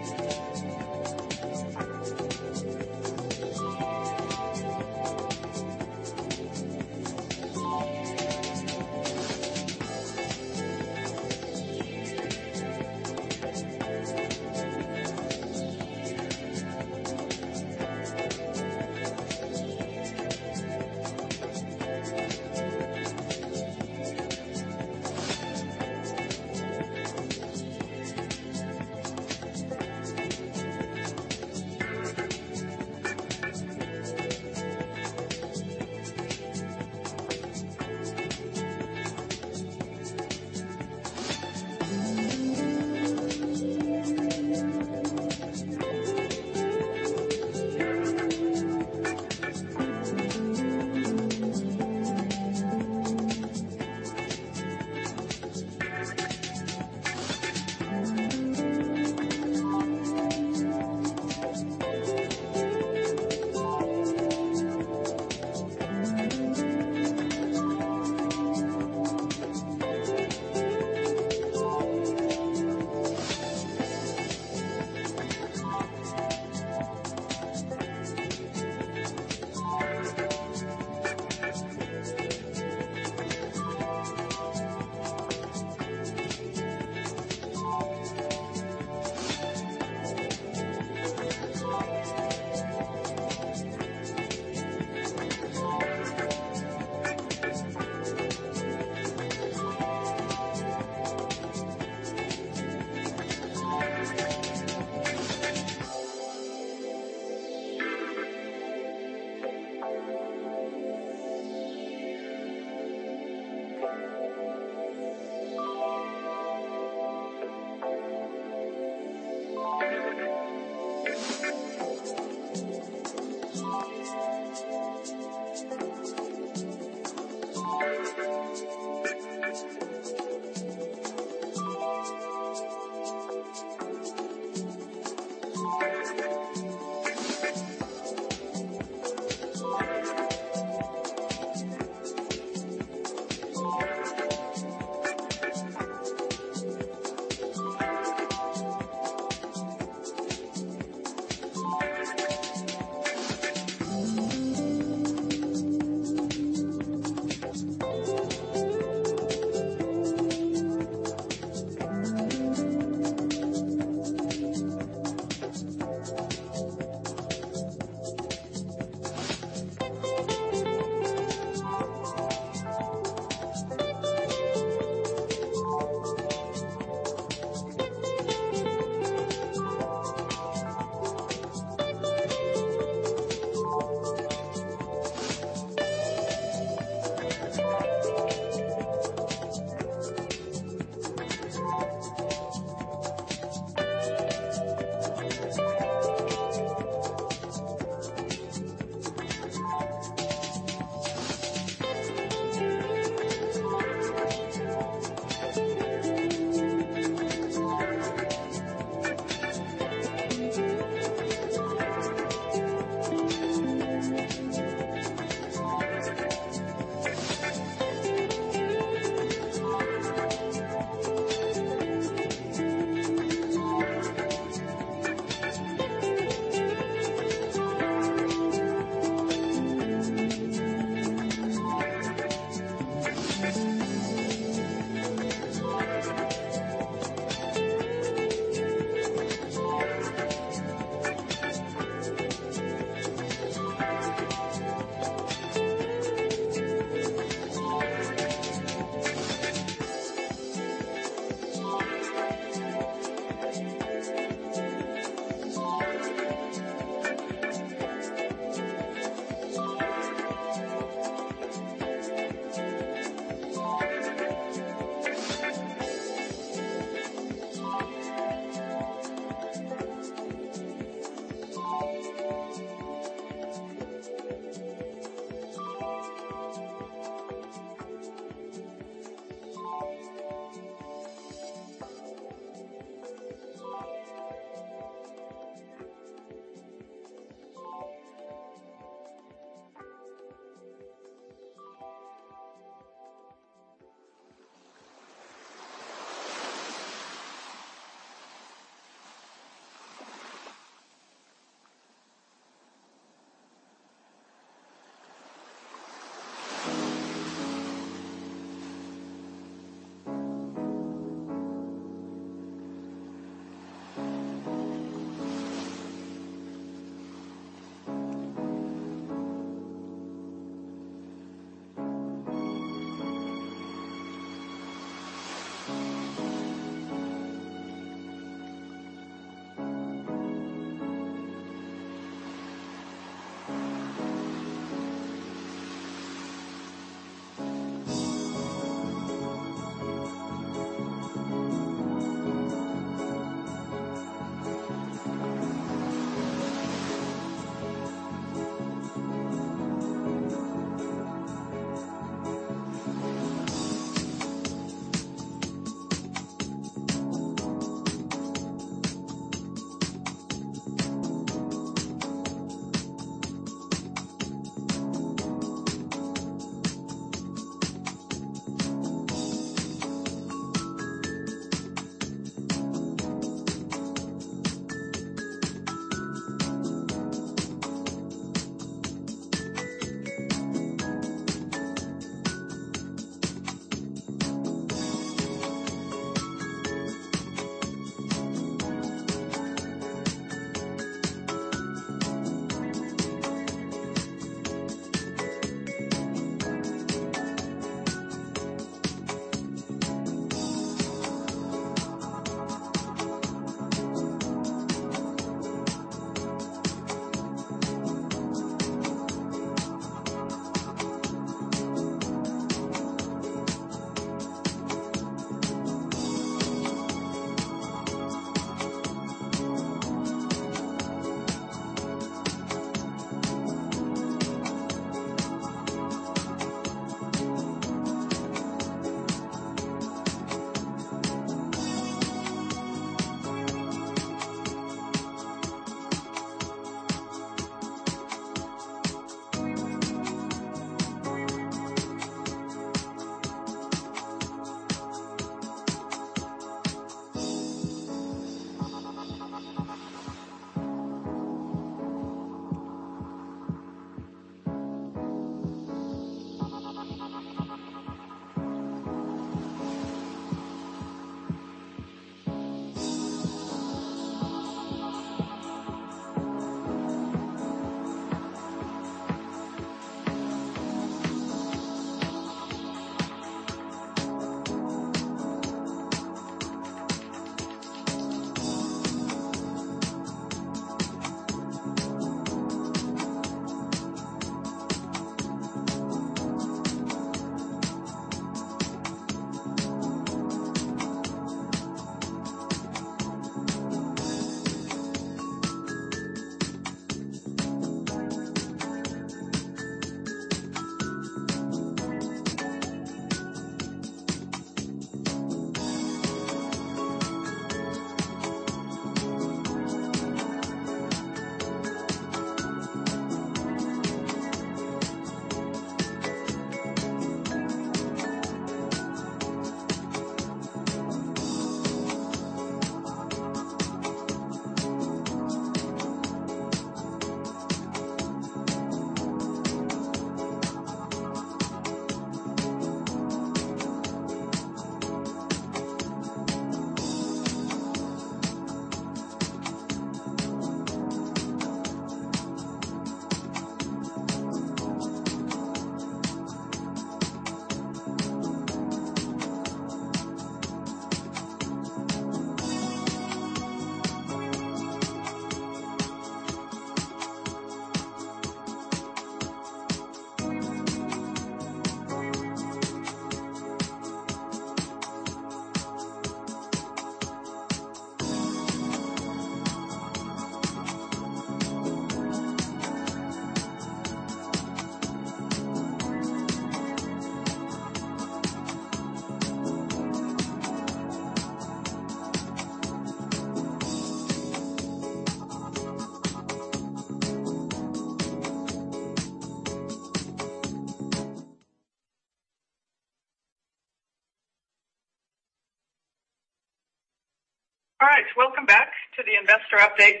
All right. Welcome back to the Investor Update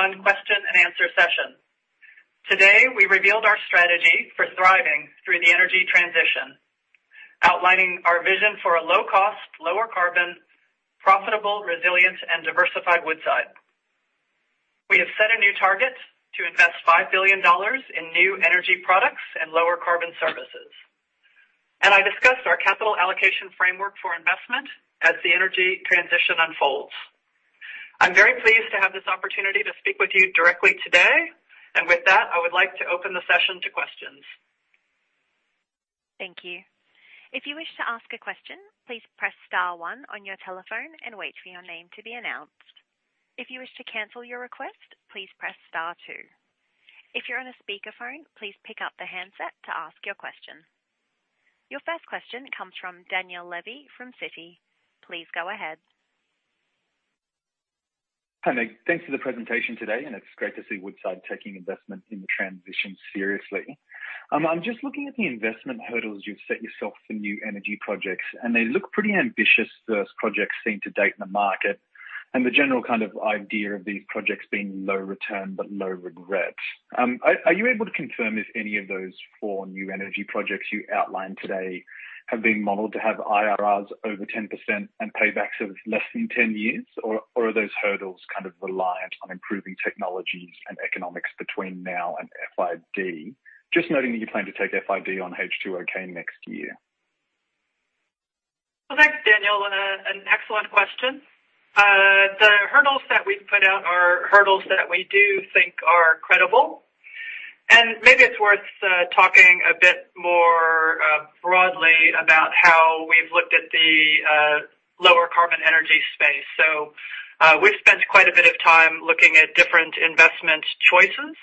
2021 question and answer session. Today, we revealed our strategy for thriving through the energy transition, outlining our vision for a low cost, lower carbon, profitable, resilient and diversified Woodside. We have set a new target to invest $5 billion in new energy products and lower carbon services. I discussed our capital allocation framework for investment as the energy transition unfolds. I'm very pleased to have this opportunity to speak with you directly today. With that, I would like to open the session to questions. Thank you. If you wish to ask a question, please press star one on your telephone and wait for your name to be announced. If you wish to cancel your request, please press star two. If you're on a speakerphone, please pick up the handset to ask your question. Your first question comes from Daniel Levy from Citi. Please go ahead. Hi, Meg. Thanks for the presentation today, and it's great to see Woodside taking investment in the transition seriously. I'm just looking at the investment hurdles you've set yourself for new energy projects, and they look pretty ambitious versus projects seen to date in the market. The general kind of idea of these projects being low return but low regret. Are you able to confirm if any of those four new energy projects you outlined today have been modeled to have IRRs over 10% and paybacks of less than 10 years? Or are those hurdles kind of reliant on improving technologies and economics between now and FID? Just noting that you plan to take FID on H2OK next year. Well, thanks, Daniel. An excellent question. The hurdles that we've put out are hurdles that we do think are credible, and maybe it's worth talking a bit more broadly about how we've looked at the lower carbon energy space. We've spent quite a bit of time looking at different investment choices.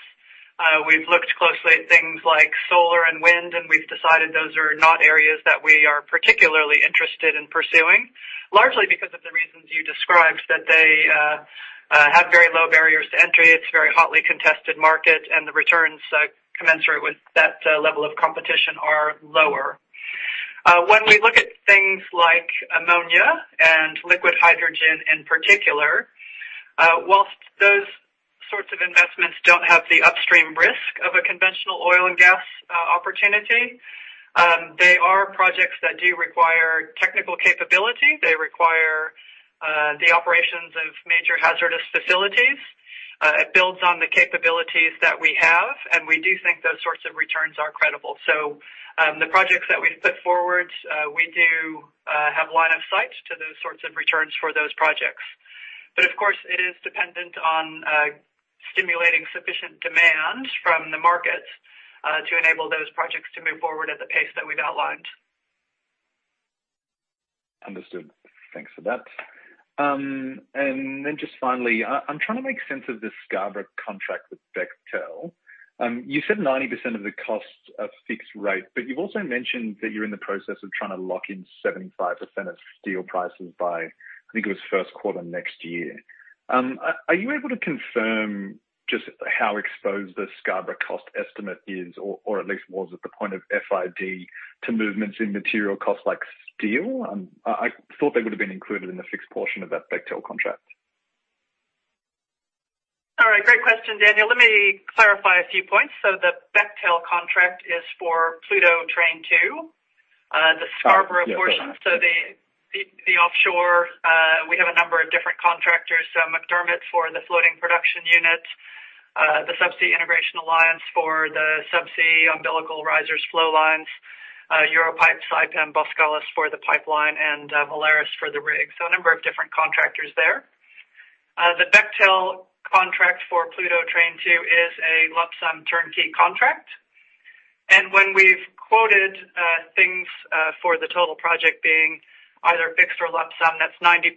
We've looked closely at things like solar and wind, and we've decided those are not areas that we are particularly interested in pursuing. Largely because of the reasons you described, that they have very low barriers to entry, it's a very hotly contested market, and the returns commensurate with that level of competition are lower. When we look at things like ammonia and liquid hydrogen in particular, while those sorts of investments don't have the upstream risk of a conventional oil and gas opportunity, they are projects that do require technical capability. They require the operations of major hazardous facilities. It builds on the capabilities that we have, and we do think those sorts of returns are credible. The projects that we've put forward, we do have line of sight to those sorts of returns for those projects. Of course, it is dependent on stimulating sufficient demand from the market to enable those projects to move forward at the pace that we've outlined. Understood. Thanks for that. And then just finally, I'm trying to make sense of the Scarborough contract with Bechtel. You said 90% of the cost are fixed rate, but you've also mentioned that you're in the process of trying to lock in 75% of steel prices by, I think it was first quarter next year. Are you able to confirm just how exposed the Scarborough cost estimate is or at least was at the point of FID to movements in material costs like steel? I thought they would have been included in the fixed portion of that Bechtel contract. All right. Great question, Daniel. Let me clarify a few points. The Bechtel contract is for Pluto Train 2. The Scarborough portion. Yeah. The offshore, we have a number of different contractors, McDermott for the floating production unit, the Subsea Integration Alliance for the subsea umbilical risers flow lines, Europipe, Saipem, Boskalis for the pipeline, and Valaris for the rig. A number of different contractors there. The Bechtel contract for Pluto Train 2 is a lump sum turnkey contract. When we've quoted things for the total project being either fixed or lump sum, that's 90%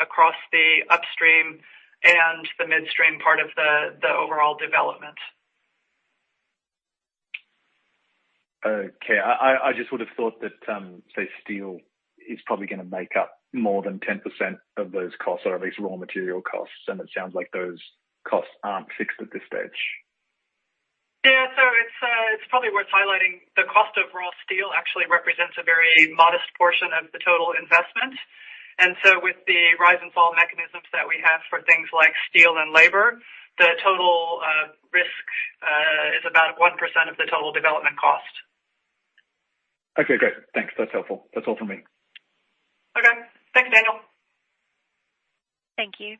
across the upstream and the midstream part of the overall development. Okay. I just would have thought that, say, steel is probably gonna make up more than 10% of those costs or at least raw material costs, and it sounds like those costs aren't fixed at this stage. Yeah. It's probably worth highlighting the cost of raw steel actually represents a very modest portion of the total investment. With the rise and fall mechanisms that we have for things like steel and labor, the total risk is about 1% of the total development cost. Okay, great. Thanks. That's helpful. That's all for me. Okay. Thanks, Daniel. Thank you.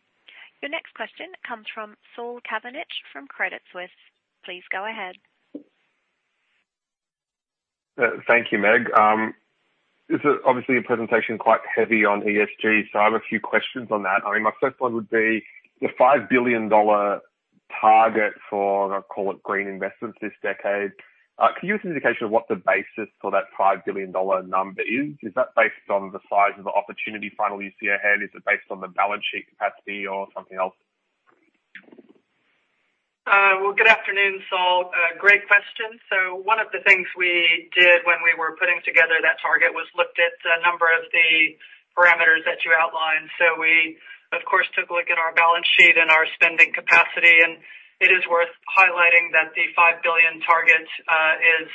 Your next question comes from Saul Kavonic from Credit Suisse. Please go ahead. Thank you, Meg. This is obviously a presentation quite heavy on ESG, so I have a few questions on that. I mean, my first one would be the $5 billion target for, I'll call it green investments this decade. Can you give us an indication of what the basis for that $5 billion number is? Is that based on the size of the opportunity funnel you see ahead? Is it based on the balance sheet capacity or something else? Good afternoon, Saul. A great question. One of the things we did when we were putting together that target was looked at a number of the parameters that you outlined. We of course took a look at our balance sheet and our spending capacity, and it is worth highlighting that the $5 billion target is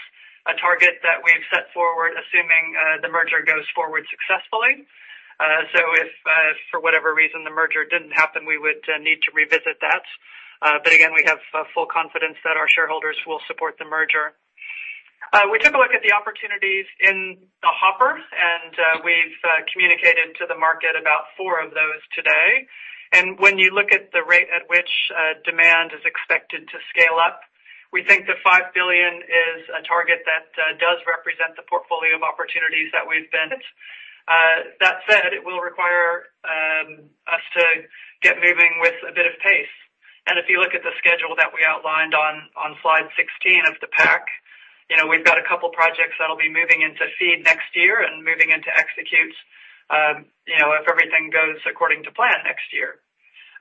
a target that we've set forward assuming the merger goes forward successfully. If for whatever reason the merger didn't happen, we would need to revisit that. Again, we have full confidence that our shareholders will support the merger. We took a look at the opportunities in the hopper, and we've communicated to the market about four of those today. When you look at the rate at which demand is expected to scale up, we think the $5 billion is a target that does represent the portfolio of opportunities. That said, it will require us to get moving with a bit of pace. If you look at the schedule that we outlined on slide 16 of the pack, you know, we've got a couple projects that'll be moving into FEED next year and moving into execute, you know, if everything goes according to plan next year.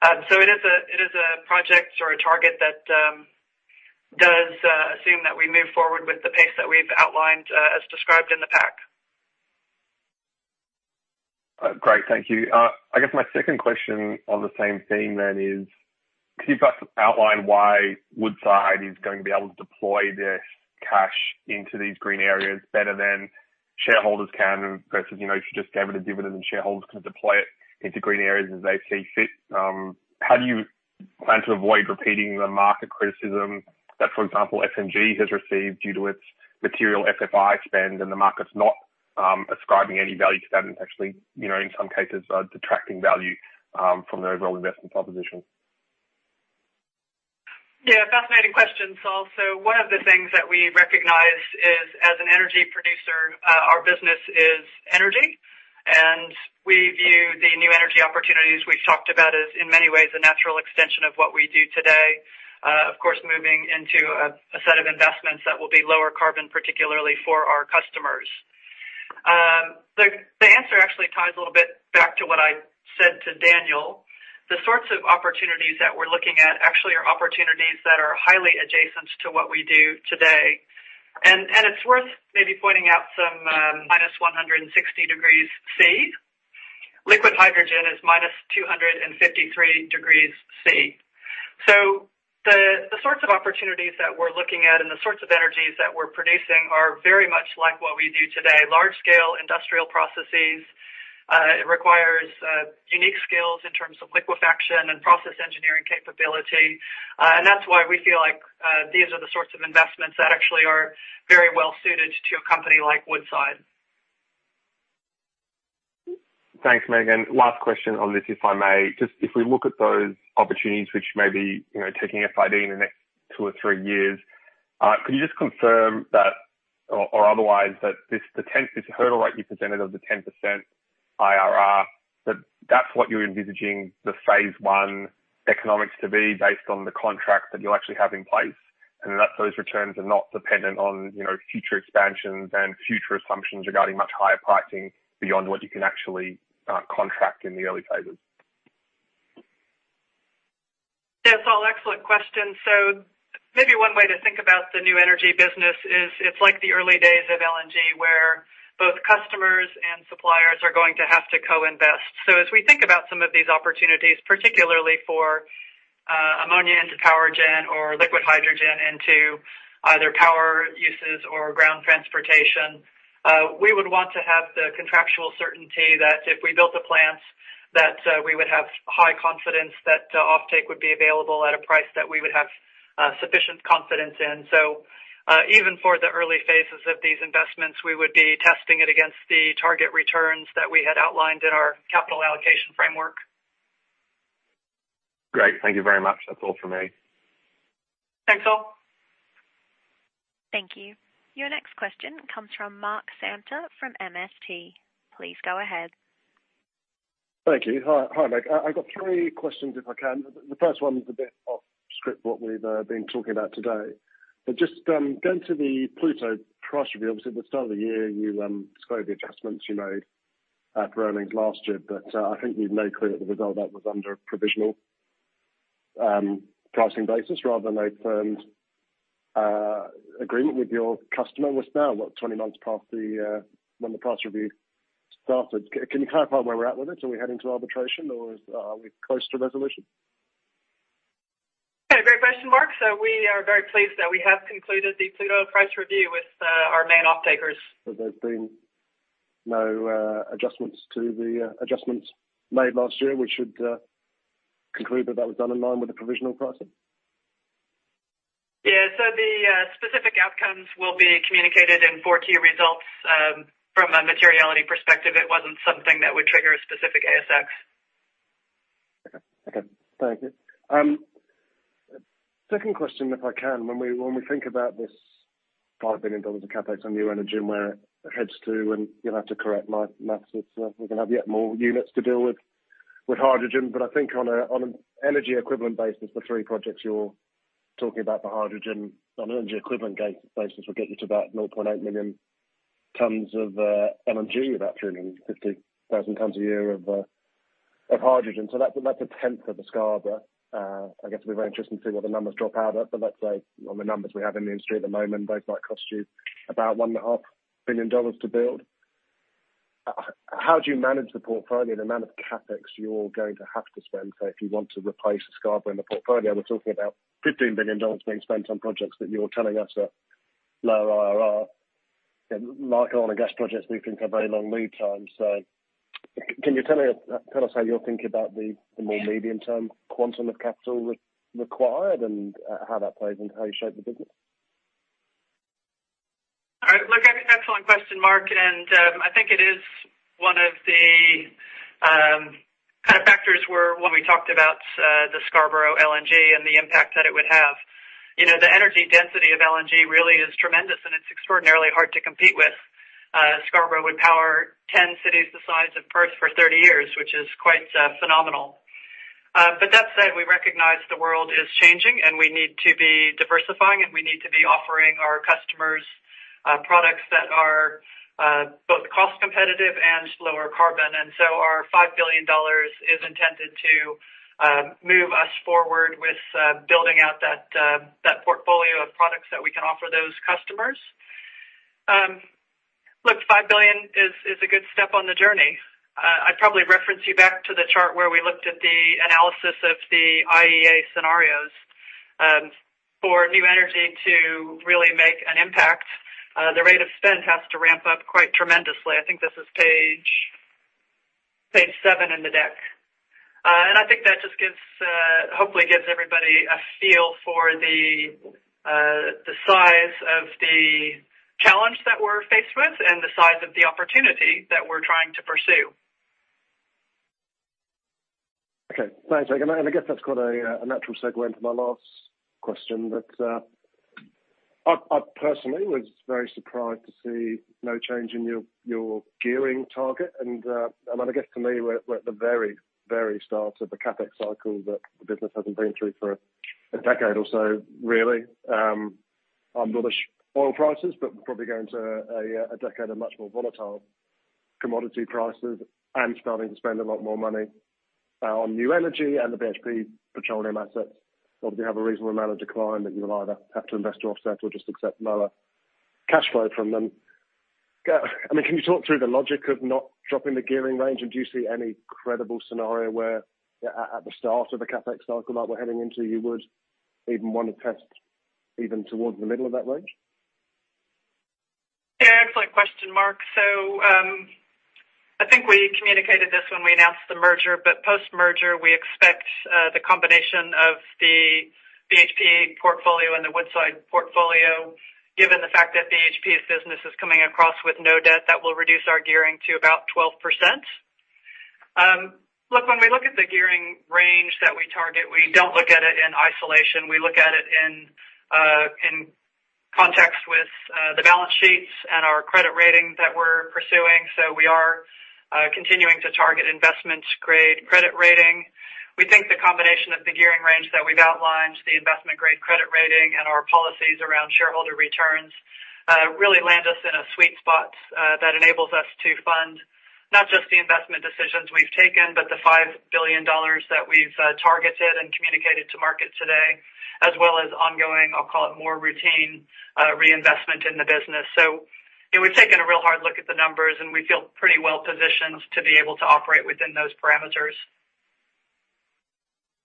It is a project or a target that does assume that we move forward with the pace that we've outlined, as described in the pack. Great. Thank you. I guess my second question on the same theme is, can you first outline why Woodside is going to be able to deploy their cash into these green areas better than shareholders can versus, you know, if you just gave it a dividend and shareholders can deploy it into green areas as they see fit? How do you plan to avoid repeating the market criticism that, for example, FMG has received due to its material FFI spend and the market's not ascribing any value to that and actually, you know, in some cases, detracting value from the overall investment proposition? Yeah, fascinating question, Saul. One of the things that we recognize is, as an energy producer, our business is energy, and we view the new energy opportunities we've talked about as in many ways a natural extension of what we do today. Of course, moving into a set of investments that will be lower carbon, particularly for our customers. The answer actually ties a little bit back to what I said to Daniel. The sorts of opportunities that we're looking at actually are opportunities that are highly adjacent to what we do today. It's worth maybe pointing out some -160 degrees C. Liquid hydrogen is -253 degrees C. The sorts of opportunities that we're looking at and the sorts of energies that we're producing are very much like what we do today. Large-scale industrial processes require unique skills in terms of liquefaction and process engineering capability. That's why we feel like these are the sorts of investments that actually are very well suited to a company like Woodside. Thanks, Megan. Last question on this, if I may. Just if we look at those opportunities which may be, you know, taking FID in the next two or three years, could you just confirm that or otherwise that this hurdle rate you presented of the 10% IRR, that that's what you're envisaging the phase one economics to be based on the contracts that you actually have in place, and that those returns are not dependent on, you know, future expansions and future assumptions regarding much higher pricing beyond what you can actually contract in the early phases? That's all excellent questions. Maybe one way to think about the new energy business is it's like the early days of LNG, where both customers and suppliers are going to have to co-invest. As we think about some of these opportunities, particularly for ammonia into power gen or liquid hydrogen into either power uses or ground transportation, we would want to have the contractual certainty that if we built the plants that we would have high confidence that offtake would be available at a price that we would have sufficient confidence in. Even for the early phases of these investments, we would be testing it against the target returns that we had outlined in our capital allocation framework. Great. Thank you very much. That's all for me. Thanks, Saul. Thank you. Your next question comes from Mark Samter from MST. Please go ahead. Thank you. Hi. Hi, Meg. I got three questions, if I can. The first one is a bit off script what we've been talking about today. Just going to the Pluto price review, obviously at the start of the year, you described the adjustments you made at earnings last year. I think you've made clear that the result that was under a provisional pricing basis rather than a firmed agreement with your customer. What's now 20 months past when the price review started? Can you clarify where we're at with it? Are we heading to arbitration or are we close to resolution? Okay, great question, Mark. We are very pleased that we have concluded the Pluto price review with our main offtakers. There's been no adjustments to the adjustments made last year, we should conclude that was done in line with the provisional pricing? Specific outcomes will be communicated in four-tier results. From a materiality perspective, it wasn't something that would trigger a specific ASX. Okay. Thank you. Second question, if I can. When we think about this $5 billion of CapEx on new energy and where it heads to, and you'll have to correct my math if we're gonna have yet more units to deal with hydrogen. I think on an energy equivalent basis, the three projects you're talking about, the hydrogen on an energy equivalent basis, will get you to about 0.8 million tons of LNG, about 350,000 tons a year of hydrogen. So that's a tenth of the Scarborough. I guess it'll be very interesting to see what the numbers drop out at. Let's say on the numbers we have in the industry at the moment, those might cost you about $1.5 billion to build. How do you manage the portfolio, the amount of CapEx you're going to have to spend? If you want to replace Scarborough in the portfolio, we're talking about $15 billion being spent on projects that you're telling us are lower IRR. Like oil and gas projects, we think have very long lead times. Can you tell me, tell us how you're thinking about the more medium-term quantum of capital required and how that plays into how you shape the business? I think it's an excellent question, Mark. I think it is one of the kind of factors where when we talked about the Scarborough LNG and the impact that it would have. You know, the energy density of LNG really is tremendous, and it's extraordinarily hard to compete with. Scarborough would power 10 cities the size of Perth for 30 years, which is quite phenomenal. That said, we recognize the world is changing, and we need to be diversifying, and we need to be offering our customers products that are both cost competitive and lower carbon. Our $5 billion is intended to move us forward with building out that portfolio of products that we can offer those customers. Look, $5 billion is a good step on the journey. I'd probably reference you back to the chart where we looked at the analysis of the IEA scenarios. For new energy to really make an impact, the rate of spend has to ramp up quite tremendously. I think this is page seven in the deck. I think that just hopefully gives everybody a feel for the size of the challenge that we're faced with and the size of the opportunity that we're trying to pursue. Okay. Thanks, Megan. I guess that's quite a natural segue into my last question, but I personally was very surprised to see no change in your gearing target. I mean, I guess to me, we're at the very start of the CapEx cycle that the business hasn't been through for a decade or so, really. Under the low oil prices, but we're probably going to a decade of much more volatile commodity prices and starting to spend a lot more money on new energy and the BHP Petroleum assets obviously have a reasonable amount of decline that you'll either have to invest or offset or just accept lower cash flow from them. I mean, can you talk through the logic of not dropping the gearing range? Do you see any credible scenario where at the start of the CapEx cycle that we're heading into, you would even wanna test even towards the middle of that range? Yeah, excellent question, Mark. I think we communicated this when we announced the merger, but post-merger we expect the combination of the BHP portfolio and the Woodside portfolio, given the fact that BHP's business is coming across with no debt, that will reduce our gearing to about 12%. Look, when we look at the gearing range that we target, we don't look at it in isolation. We look at it in context with the balance sheets and our credit rating that we're pursuing. We are continuing to target investment-grade credit rating. We think the combination of the gearing range that we've outlined, the investment-grade credit rating, and our policies around shareholder returns really land us in a sweet spot that enables us to fund not just the investment decisions we've taken, but the $5 billion that we've targeted and communicated to market today, as well as ongoing, I'll call it more routine, reinvestment in the business. We've taken a real hard look at the numbers, and we feel pretty well positioned to be able to operate within those parameters.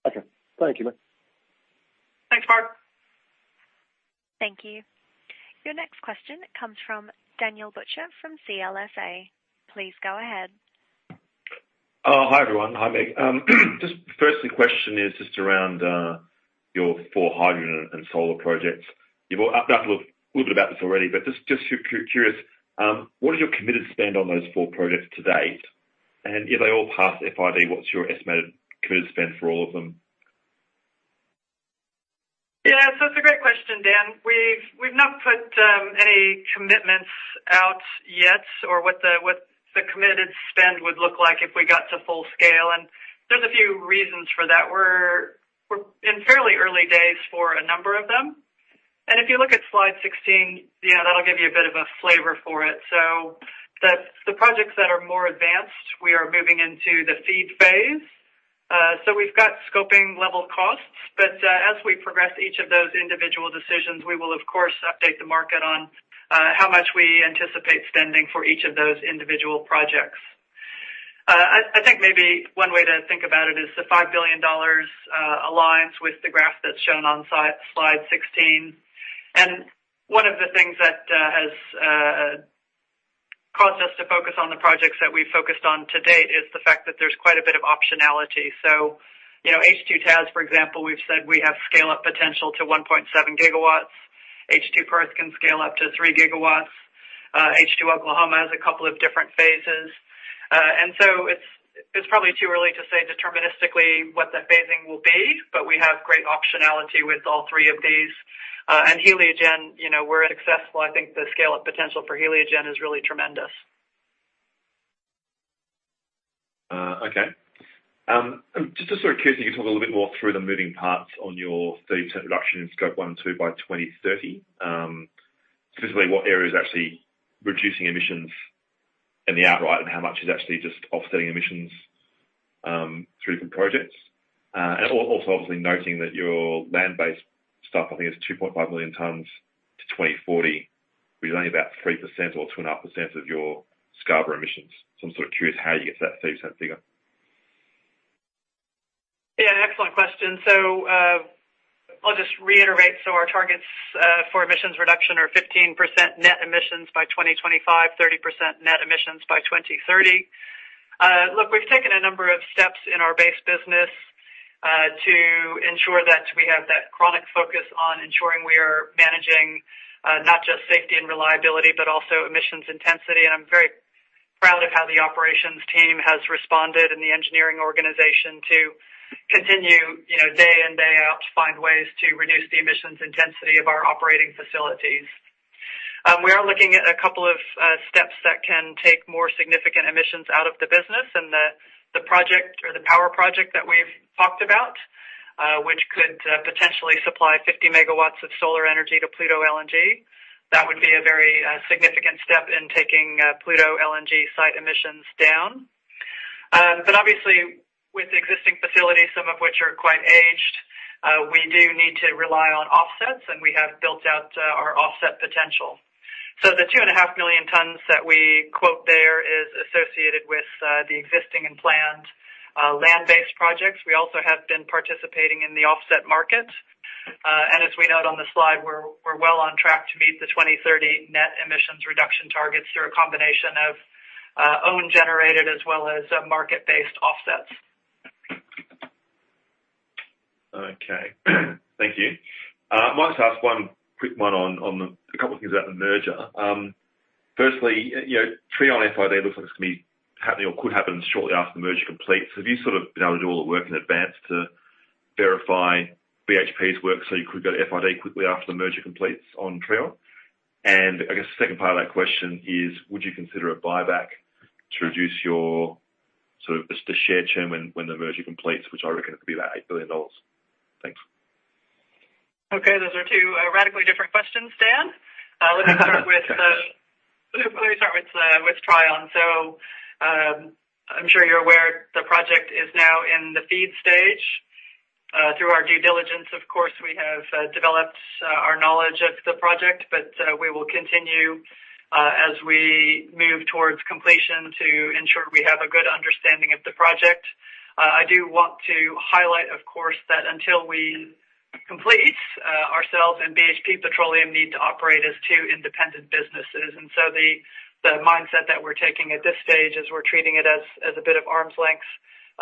Okay. Thank you, Megan. Thanks, Mark. Thank you. Your next question comes from Daniel Butcher from CLSA. Please go ahead. Hi, everyone. Hi, Meg. Just first the question is just around your four hydrogen and solar projects. You've talked a little bit about this already, but just curious, what is your committed spend on those four projects to date? And if they all pass FID, what's your estimated committed spend for all of them? Yeah. It's a great question, Dan. We've not put any commitments out yet or what the committed spend would look like if we got to full scale, and there's a few reasons for that. We're in fairly early days for a number of them. If you look at slide 16, you know, that'll give you a bit of a flavor for it. The projects that are more advanced, we are moving into the FEED phase. We've got scoping level costs, but as we progress each of those individual decisions, we will of course update the market on how much we anticipate spending for each of those individual projects. I think maybe one way to think about it is the $5 billion aligns with the graph that's shown on slide 16. One of the things that has caused us to focus on the projects that we've focused on to date is the fact that there's quite a bit of optionality. So, you know, H2TAS, for example, we've said we have scale-up potential to 1.7 gigawatts. H2 Perth can scale up to 3 gigawatts. H2 Oklahoma has a couple of different phases. And so it's probably too early to say deterministically what the phasing will be, but we have great optionality with all three of these. And Heliogen, you know, we're successful. I think the scale-up potential for Heliogen is really tremendous. Just to sort of curiously talk a little bit more through the moving parts on your 15% reduction in Scope 1 and 2 by 2030, specifically what areas are actually reducing emissions outright and how much is actually just offsetting emissions through the projects. Also obviously noting that your land-based stuff, I think it's 2.5 million tons to 2040, which is only about 3% or 2.5% of your Scarborough emissions. I'm sort of curious how you get to that 15% figure. Yeah, excellent question. I'll just reiterate, so our targets for emissions reduction are 15% net emissions by 2025, 30% net emissions by 2030. Look, we've taken a number of steps in our base business to ensure that we have that chronic focus on ensuring we are managing, not just safety and reliability, but also emissions intensity. I'm very proud of how the operations team has responded and the engineering organization to continue, you know, day in, day out to find ways to reduce the emissions intensity of our operating facilities. We are looking at a couple of steps that can take more significant emissions out of the business and the project or the power project that we've talked about, which could potentially supply 50 MW of solar energy to Pluto LNG. That would be a very significant step in taking Pluto LNG site emissions down. But obviously we have built out our offset potential. The 2.5 million tons that we quote there is associated with the existing and planned land-based projects. We also have been participating in the offset market. And as we note on the slide, we're well on track to meet the 2030 net emissions reduction targets through a combination of own generated as well as market-based offsets. Okay. Thank you. Might just ask one quick one on a couple things about the merger. Firstly, you know, Trion FID looks like it's gonna be happening or could happen shortly after the merger completes. Have you sort of been able to do all the work in advance to verify BHP's work, so you could go to FID quickly after the merger completes on Trion? I guess the second part of that question is, would you consider a buyback to reduce your sort of just the share count when the merger completes, which I reckon could be about $8 billion? Thanks. Okay. Those are two radically different questions, Dan. Let me start with Trion. I'm sure you're aware the project is now in the FEED stage. Through our due diligence, of course, we have developed our knowledge of the project, but we will continue as we move towards completion to ensure we have a good understanding of the project. I do want to highlight, of course, that until we complete, ourselves and BHP Petroleum need to operate as two independent businesses. The mindset that we're taking at this stage is we're treating it as a bit of arm's length,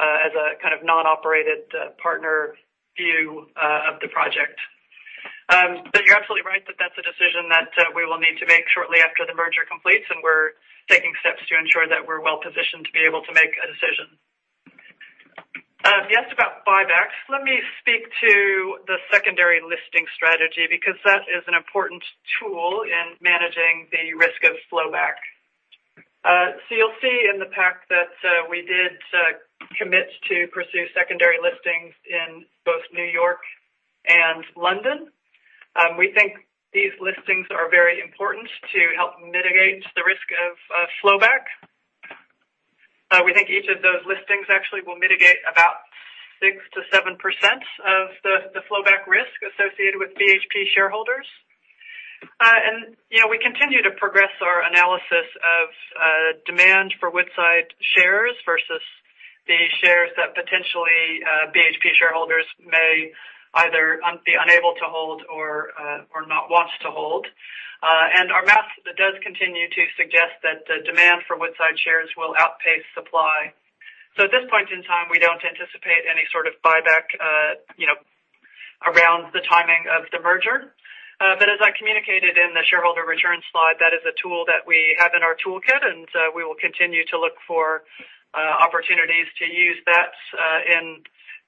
as a kind of non-operated partner view of the project. You're absolutely right that that's a decision that we will need to make shortly after the merger completes, and we're taking steps to ensure that we're well-positioned to be able to make a decision. You asked about buybacks. Let me speak to the secondary listing strategy because that is an important tool in managing the risk of flowback. You'll see in the pack that we did commit to pursue secondary listings in both New York and London. We think these listings are very important to help mitigate the risk of flowback. We think each of those listings actually will mitigate about 6%-7% of the flowback risk associated with BHP shareholders. You know, we continue to progress our analysis of demand for Woodside shares versus the shares that potentially BHP shareholders may either be unable to hold or not want to hold. Our math does continue to suggest that the demand for Woodside shares will outpace supply. At this point in time, we don't anticipate any sort of buyback, you know, around the timing of the merger. As I communicated in the shareholder return slide, that is a tool that we have in our toolkit, and we will continue to look for opportunities to use that in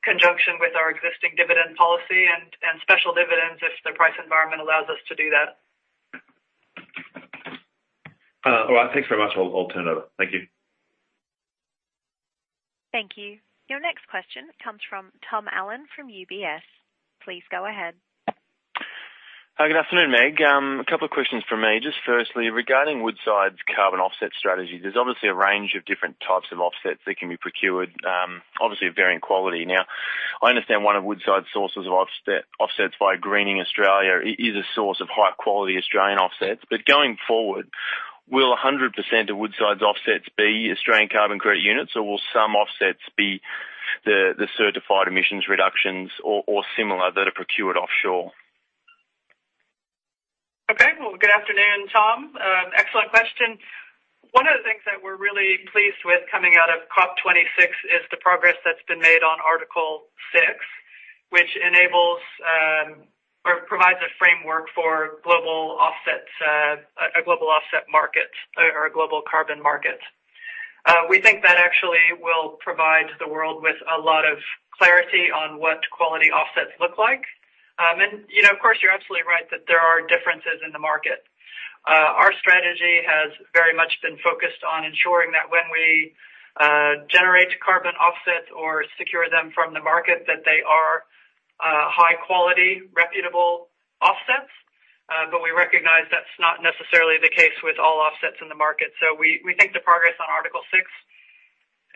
conjunction with our existing dividend policy and special dividends if the price environment allows us to do that. All right. Thanks very much. I'll turn it over. Thank you. Thank you. Your next question comes from Tom Allen from UBS. Please go ahead. Hi, good afternoon, Meg. A couple of questions from me. Just firstly, regarding Woodside's carbon offset strategy, there's obviously a range of different types of offsets that can be procured, obviously of varying quality. Now, I understand one of Woodside's sources of offsets via Greening Australia is a source of high-quality Australian offsets. Going forward, will 100% of Woodside's offsets be Australian Carbon Credit Units, or will some offsets be the certified emissions reductions or similar that are procured offshore? Okay. Well, good afternoon, Tom. Excellent question. One of the things that we're really pleased with coming out of COP26 is the progress that's been made on Article 6, which enables or provides a framework for global offsets, a global offset market or a global carbon market. We think that actually will provide the world with a lot of clarity on what quality offsets look like. You know, of course, you're absolutely right that there are differences in the market. Our strategy has very much been focused on ensuring that when we generate carbon offsets or secure them from the market, that they are high quality, reputable offsets. We recognize that's not necessarily the case with all offsets in the market. We think the progress on Article 6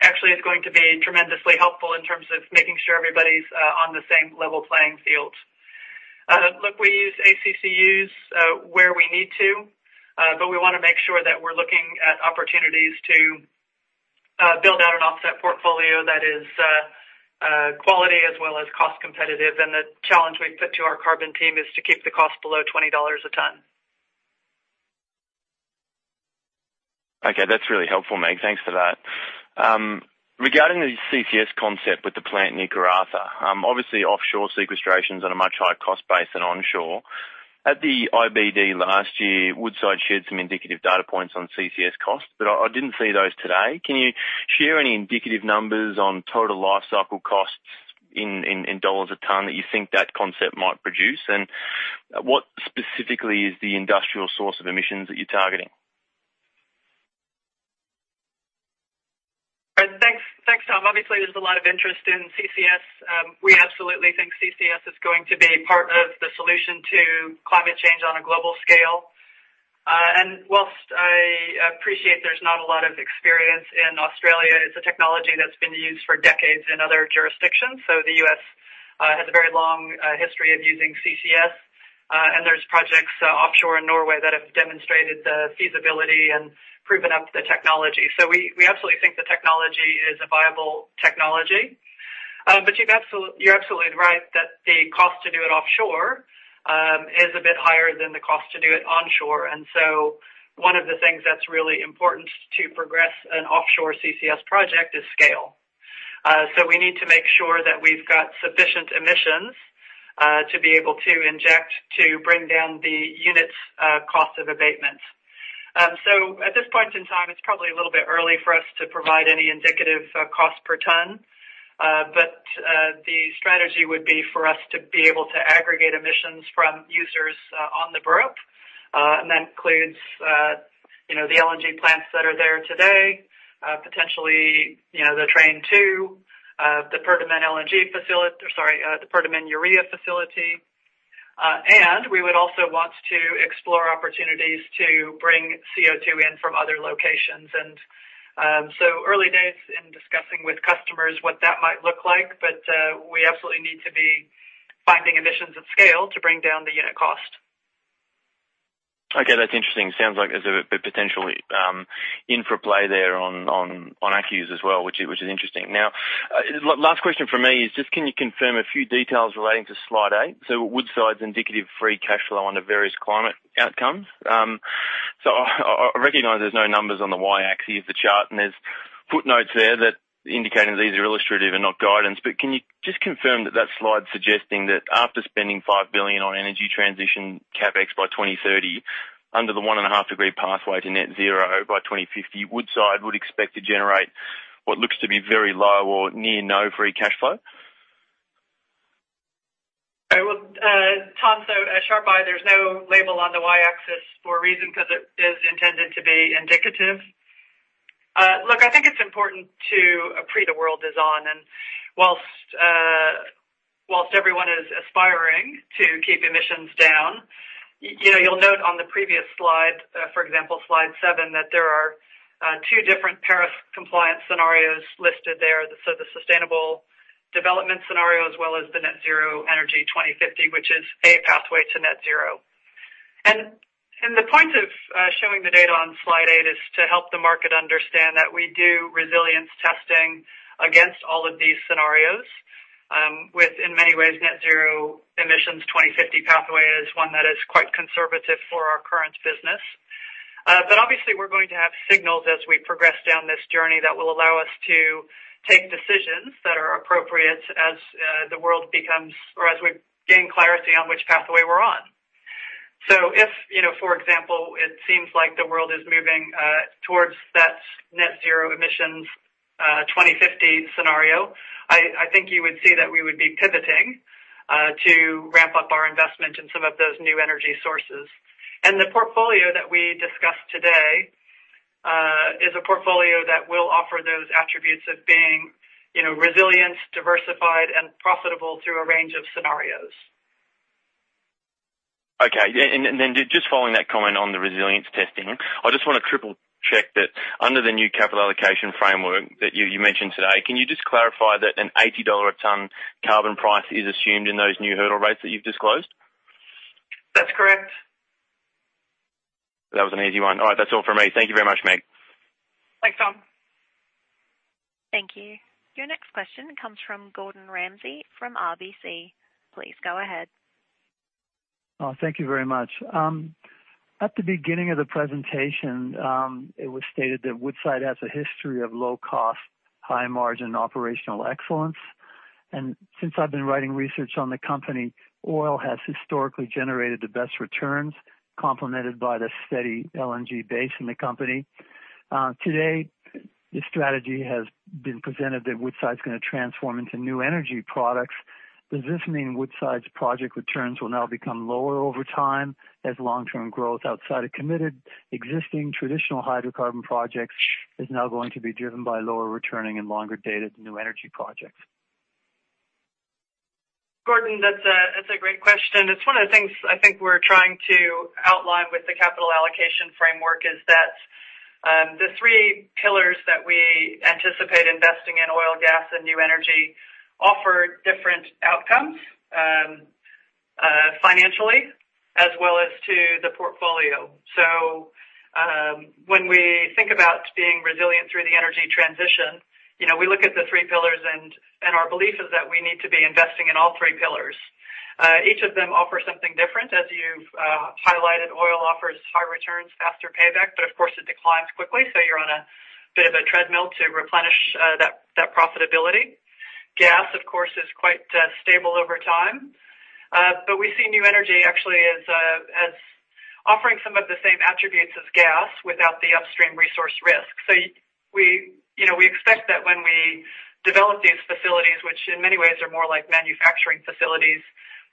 actually is going to be tremendously helpful in terms of making sure everybody's on the same level playing field. Look, we use ACCUs where we need to, but we wanna make sure that we're looking at opportunities to build out an offset portfolio that is quality as well as cost competitive. The challenge we've put to our carbon team is to keep the cost below $20 a ton. Okay. That's really helpful, Meg. Thanks for that. Regarding the CCS concept with the plant near Karratha, obviously offshore sequestration's on a much higher cost base than onshore. At the IBD last year, Woodside shared some indicative data points on CCS costs, but I didn't see those today. Can you share any indicative numbers on total life cycle costs in dollars a ton that you think that concept might produce? And what specifically is the industrial source of emissions that you're targeting? Thanks. Thanks, Tom. Obviously, there's a lot of interest in CCS. We absolutely think CCS is going to be part of the solution to climate change on a global scale. While I appreciate there's not a lot of experience in Australia, it's a technology that's been used for decades in other jurisdictions. The U.S. has a very long history of using CCS, and there's projects offshore in Norway that have demonstrated the feasibility and proven up the technology. We absolutely think the technology is a viable technology. But you're absolutely right that the cost to do it offshore is a bit higher than the cost to do it onshore. One of the things that's really important to progress an offshore CCS project is scale. We need to make sure that we've got sufficient emissions to be able to inject to bring down the unit's cost of abatement. At this point in time, it's probably a little bit early for us to provide any indicative cost per ton. The strategy would be for us to be able to aggregate emissions from users on the Burrup. And that includes, you know, the LNG plants that are there today, potentially, you know, the train two, the Perdaman Urea facility. And we would also want to explore opportunities to bring CO2 in from other locations. Early days in discussing with customers what that might look like. We absolutely need to be finding emissions at scale to bring down the unit cost. Okay, that's interesting. Sounds like there's a potential infra play there on ACCUs as well, which is interesting. Now, last question from me is just can you confirm a few details relating to slide 8? Woodside's indicative free cash flow under various climate outcomes. I recognize there's no numbers on the Y-axis of the chart, and there's footnotes there that indicate that these are illustrative and not guidance. Can you just confirm that that slide suggesting that after spending $5 billion on energy transition CapEx by 2030 under the 1.5-degree pathway to net zero by 2050, Woodside would expect to generate what looks to be very low or near no free cash flow? Tom, so a sharp eye, there's no label on the Y-axis for a reason because it is intended to be indicative. Look, I think it's important to agree the world is on, and while everyone is aspiring to keep emissions down, you know, you'll note on the previous slide, for example, slide 7, that there are two different Paris compliance scenarios listed there. The sustainable development scenario as well as the net zero energy 2050, which is a pathway to net zero. The point of showing the data on slide 8 is to help the market understand that we do resilience testing against all of these scenarios, within many ways, net zero emissions 2050 pathway is one that is quite conservative for our current business. Obviously we're going to have signals as we progress down this journey that will allow us to take decisions that are appropriate as the world becomes or as we gain clarity on which pathway we're on. If, you know, for example, it seems like the world is moving towards that net zero emissions 2050 scenario, I think you would see that we would be pivoting to ramp up our investment in some of those new energy sources. The portfolio that we discussed today is a portfolio that will offer those attributes of being, you know, resilient, diversified, and profitable through a range of scenarios. Okay. Just following that comment on the resilience testing, I just wanna triple-check that under the new capital allocation framework that you mentioned today, can you just clarify that an $80 a ton carbon price is assumed in those new hurdle rates that you've disclosed? That's correct. That was an easy one. All right. That's all for me. Thank you very much, Meg. Thanks, Tom. Thank you. Your next question comes from Gordon Ramsay from RBC. Please go ahead. Oh, thank you very much. At the beginning of the presentation, it was stated that Woodside has a history of low cost, high margin operational excellence. Since I've been writing research on the company, oil has historically generated the best returns, complemented by the steady LNG base in the company. Today, the strategy has been presented that Woodside is gonna transform into new energy products. Does this mean Woodside's project returns will now become lower over time as long-term growth outside of committed existing traditional hydrocarbon projects is now going to be driven by lower returning and longer dated new energy projects? Gordon, that's a great question. It's one of the things I think we're trying to outline with the capital allocation framework is that the three pillars that we anticipate investing in oil, gas, and new energy offer different outcomes financially as well as to the portfolio. When we think about being resilient through the energy transition, you know, we look at the three pillars and our belief is that we need to be investing in all three pillars. Each of them offer something different. As you've highlighted, oil offers high returns, faster payback, but of course it declines quickly, so you're on a bit of a treadmill to replenish that profitability. Gas, of course, is quite stable over time. We see new energy actually as offering some of the same attributes as gas without the upstream resource risk. We expect that when we develop these facilities, which in many ways are more like manufacturing facilities,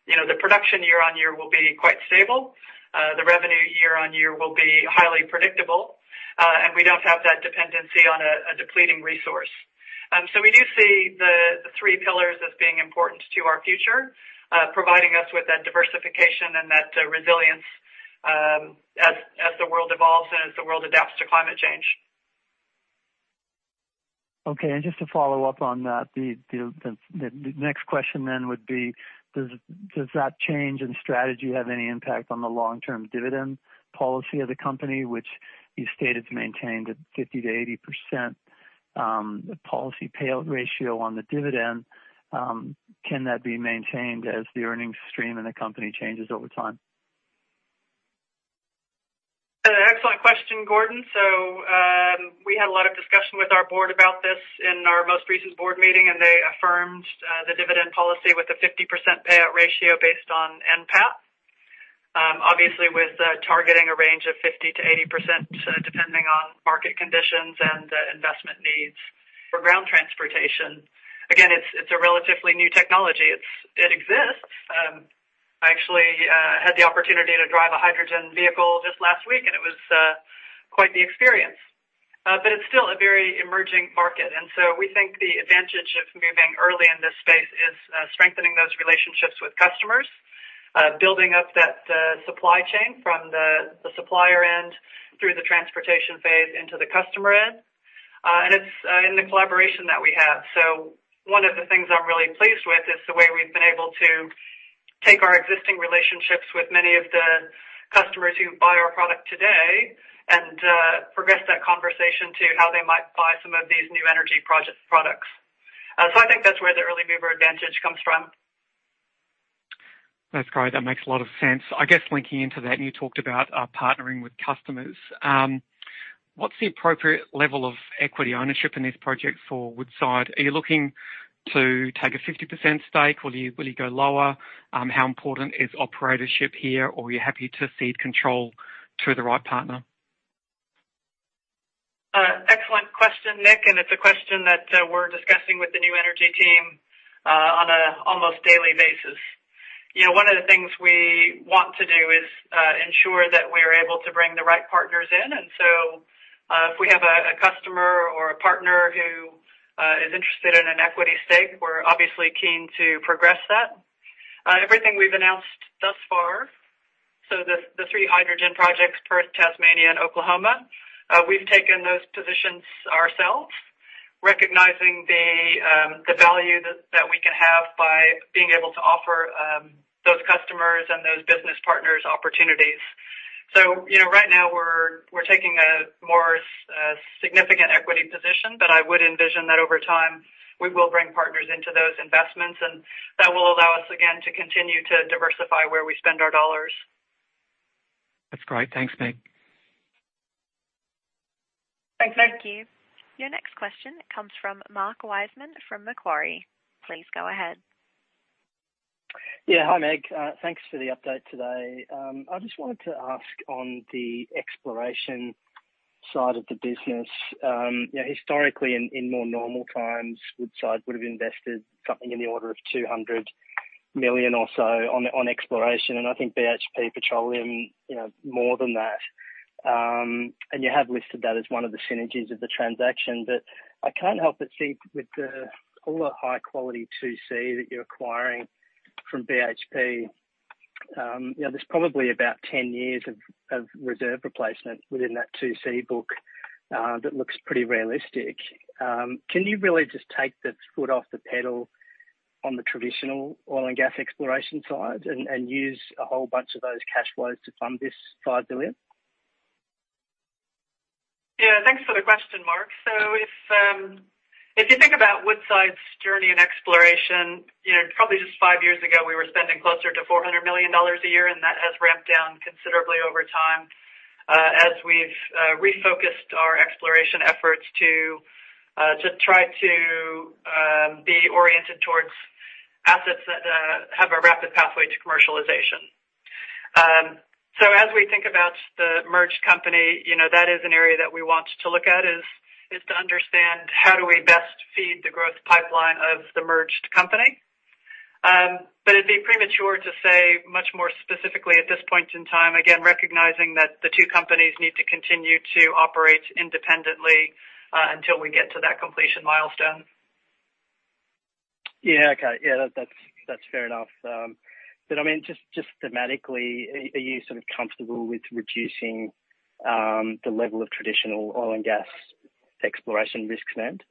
you know, the production year on year will be quite stable. The revenue year on year will be highly predictable, and we don't have that dependency on a depleting resource. We do see the three pillars as being important to our future, providing us with that diversification and that resilience, as the world evolves and as the world adapts to climate change. Okay. Just to follow up on that, the next question would be, does that change in strategy have any impact on the long-term dividend policy of the company which you stated is maintained at 50%-80% policy payout ratio on the dividend? Can that be maintained as the earnings stream in the company changes over time? Excellent question, Gordon. We had a lot of discussion with our board about this in our most recent board meeting, and they affirmed the dividend policy with a 50% payout ratio based on NPAT. Obviously, with targeting a range of 50%-80%, depending on market conditions and investment needs. For ground transportation, it's a relatively new technology. It exists. I actually had the opportunity to drive a hydrogen vehicle just last week, and it was quite the experience. It's still a very emerging market. We think the advantage of moving early in this space is strengthening those relationships with customers, building up that supply chain from the supplier end through the transportation phase into the customer end, and it's in the collaboration that we have. One of the things I'm really pleased with is the way we've been able to take our existing relationships with many of the customers who buy our product today and progress that conversation to how they might buy some of these new energy products. I think that's where the early mover advantage comes from. That's great. That makes a lot of sense. I guess linking into that, and you talked about partnering with customers. What's the appropriate level of equity ownership in these projects for Woodside? Are you looking to take a 50% stake? Will you go lower? How important is operatorship here? Or are you happy to cede control to the right partner? Excellent question, Nik. It's a question that we're discussing with the new energy team on an almost daily basis. You know, one of the things we want to do is ensure that we're able to bring the right partners in. If we have a customer or a partner who is interested in an equity stake, we're obviously keen to progress that. Everything we've announced thus far, so the three hydrogen projects, Perth, Tasmania, and Oklahoma, we've taken those positions ourselves, recognizing the value that we can have by being able to offer those customers and those business partners opportunities. You know, right now we're taking a more significant equity position. I would envision that over time, we will bring partners into those investments, and that will allow us, again, to continue to diversify where we spend our dollars. That's great. Thanks, Meg. Thanks, Nik. Thank you. Your next question comes from Mark Wiseman from Macquarie. Please go ahead. Yeah. Hi, Meg. Thanks for the update today. I just wanted to ask on the exploration side of the business. You know, historically in more normal times, Woodside would have invested something in the order of $200 million or so on exploration, and I think BHP Petroleum, you know, more than that. You have listed that as one of the synergies of the transaction. I can't help but see with all the high quality 2C that you're acquiring from BHP, you know, there's probably about 10 years of reserve replacement within that 2C book, that looks pretty realistic. Can you really just take the foot off the pedal on the traditional oil and gas exploration side and use a whole bunch of those cash flows to fund this $5 billion? Yeah. Thanks for the question, Mark. If you think about Woodside's journey in exploration, you know, probably just five years ago, we were spending closer to $400 million a year, and that has ramped down considerably over time, as we've refocused our exploration efforts to try to be oriented towards assets that have a rapid pathway to commercialization. As we think about the merged company, you know, that is an area that we want to look at, is to understand how do we best feed the growth pipeline of the merged company. It'd be premature to say much more specifically at this point in time, again, recognizing that the two companies need to continue to operate independently, until we get to that completion milestone. Yeah. Okay. Yeah, that's fair enough. I mean, just thematically, are you sort of comfortable with reducing the level of traditional oil and gas exploration risk spend?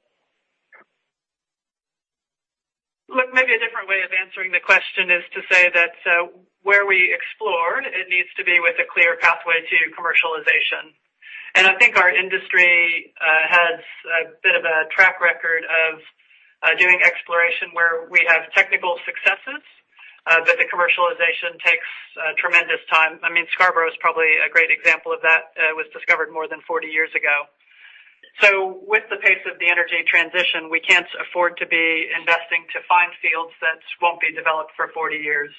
Look, maybe a different way of answering the question is to say that where we explore, it needs to be with a clear pathway to commercialization. I think our industry has a bit of a track record of doing exploration where we have technical successes, but the commercialization takes tremendous time. I mean, Scarborough is probably a great example of that. It was discovered more than 40 years ago. With the pace of the energy transition, we can't afford to be investing to find fields that won't be developed for 40 years.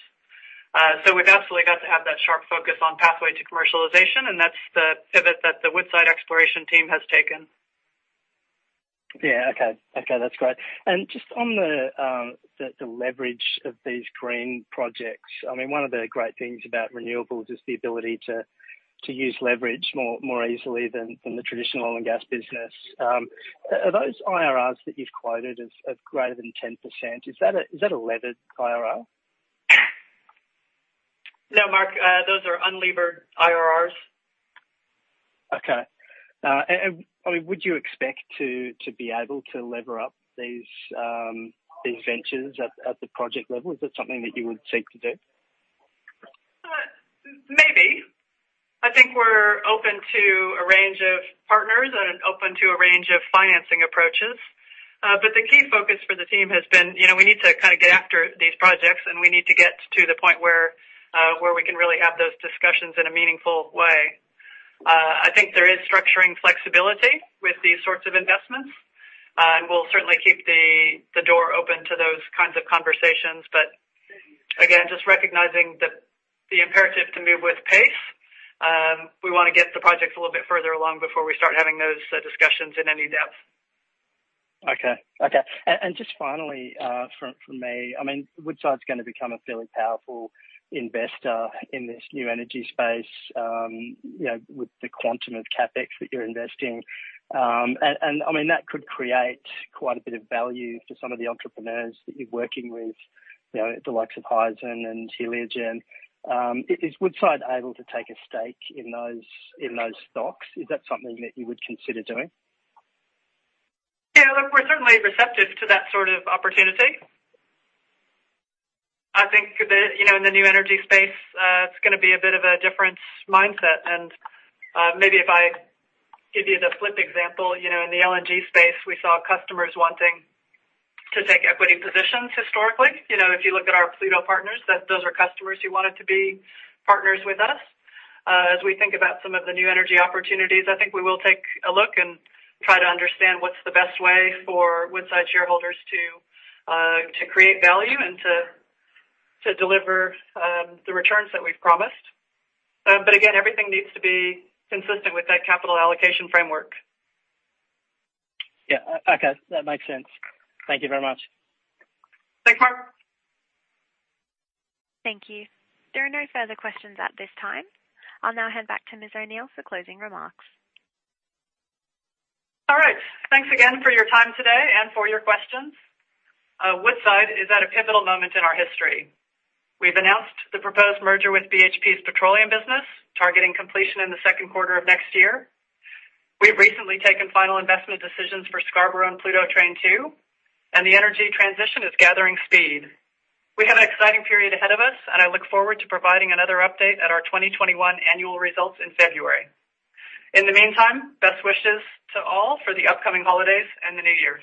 We've absolutely got to have that sharp focus on pathway to commercialization, and that's the pivot that the Woodside exploration team has taken. Yeah. Okay. That's great. Just on the leverage of these green projects, I mean, one of the great things about renewables is the ability to use leverage more easily than the traditional oil and gas business. Are those IRRs that you've quoted as greater than 10%, is that a levered IRR? No, Mark, those are unlevered IRRs. Okay. I mean, would you expect to be able to lever up these ventures at the project level? Is that something that you would seek to do? Maybe. I think we're open to a range of partners and open to a range of financing approaches. The key focus for the team has been, you know, we need to kinda get after these projects, and we need to get to the point where we can really have those discussions in a meaningful way. I think there is structuring flexibility with these sorts of investments, and we'll certainly keep the door open to those kinds of conversations. Again, just recognizing the imperative to move with pace, we wanna get the projects a little bit further along before we start having those discussions in any depth. Just finally from me, I mean, Woodside's gonna become a fairly powerful investor in this new energy space, you know, with the quantum of CapEx that you're investing. I mean, that could create quite a bit of value for some of the entrepreneurs that you're working with, you know, the likes of Hyzon and Heliogen. Is Woodside able to take a stake in those stocks? Is that something that you would consider doing? Yeah, look, we're certainly receptive to that sort of opportunity. I think a bit, you know, in the new energy space, it's gonna be a bit of a different mindset and, maybe if I give you the flip example, you know, in the LNG space, we saw customers wanting to take equity positions historically. You know, if you look at our Pluto partners, those are customers who wanted to be partners with us. As we think about some of the new energy opportunities, I think we will take a look and try to understand what's the best way for Woodside shareholders to create value and to deliver the returns that we've promised. But again, everything needs to be consistent with that capital allocation framework. Yeah. Okay, that makes sense. Thank you very much. Thanks, Mark. Thank you. There are no further questions at this time. I'll now hand back to Ms. O'Neill for closing remarks. All right. Thanks again for your time today and for your questions. Woodside is at a pivotal moment in our history. We've announced the proposed merger with BHP's petroleum business, targeting completion in the second quarter of next year. We've recently taken final investment decisions for Scarborough and Pluto Train 2, and the energy transition is gathering speed. We have an exciting period ahead of us, and I look forward to providing another update at our 2021 annual results in February. In the meantime, best wishes to all for the upcoming holidays and the new year.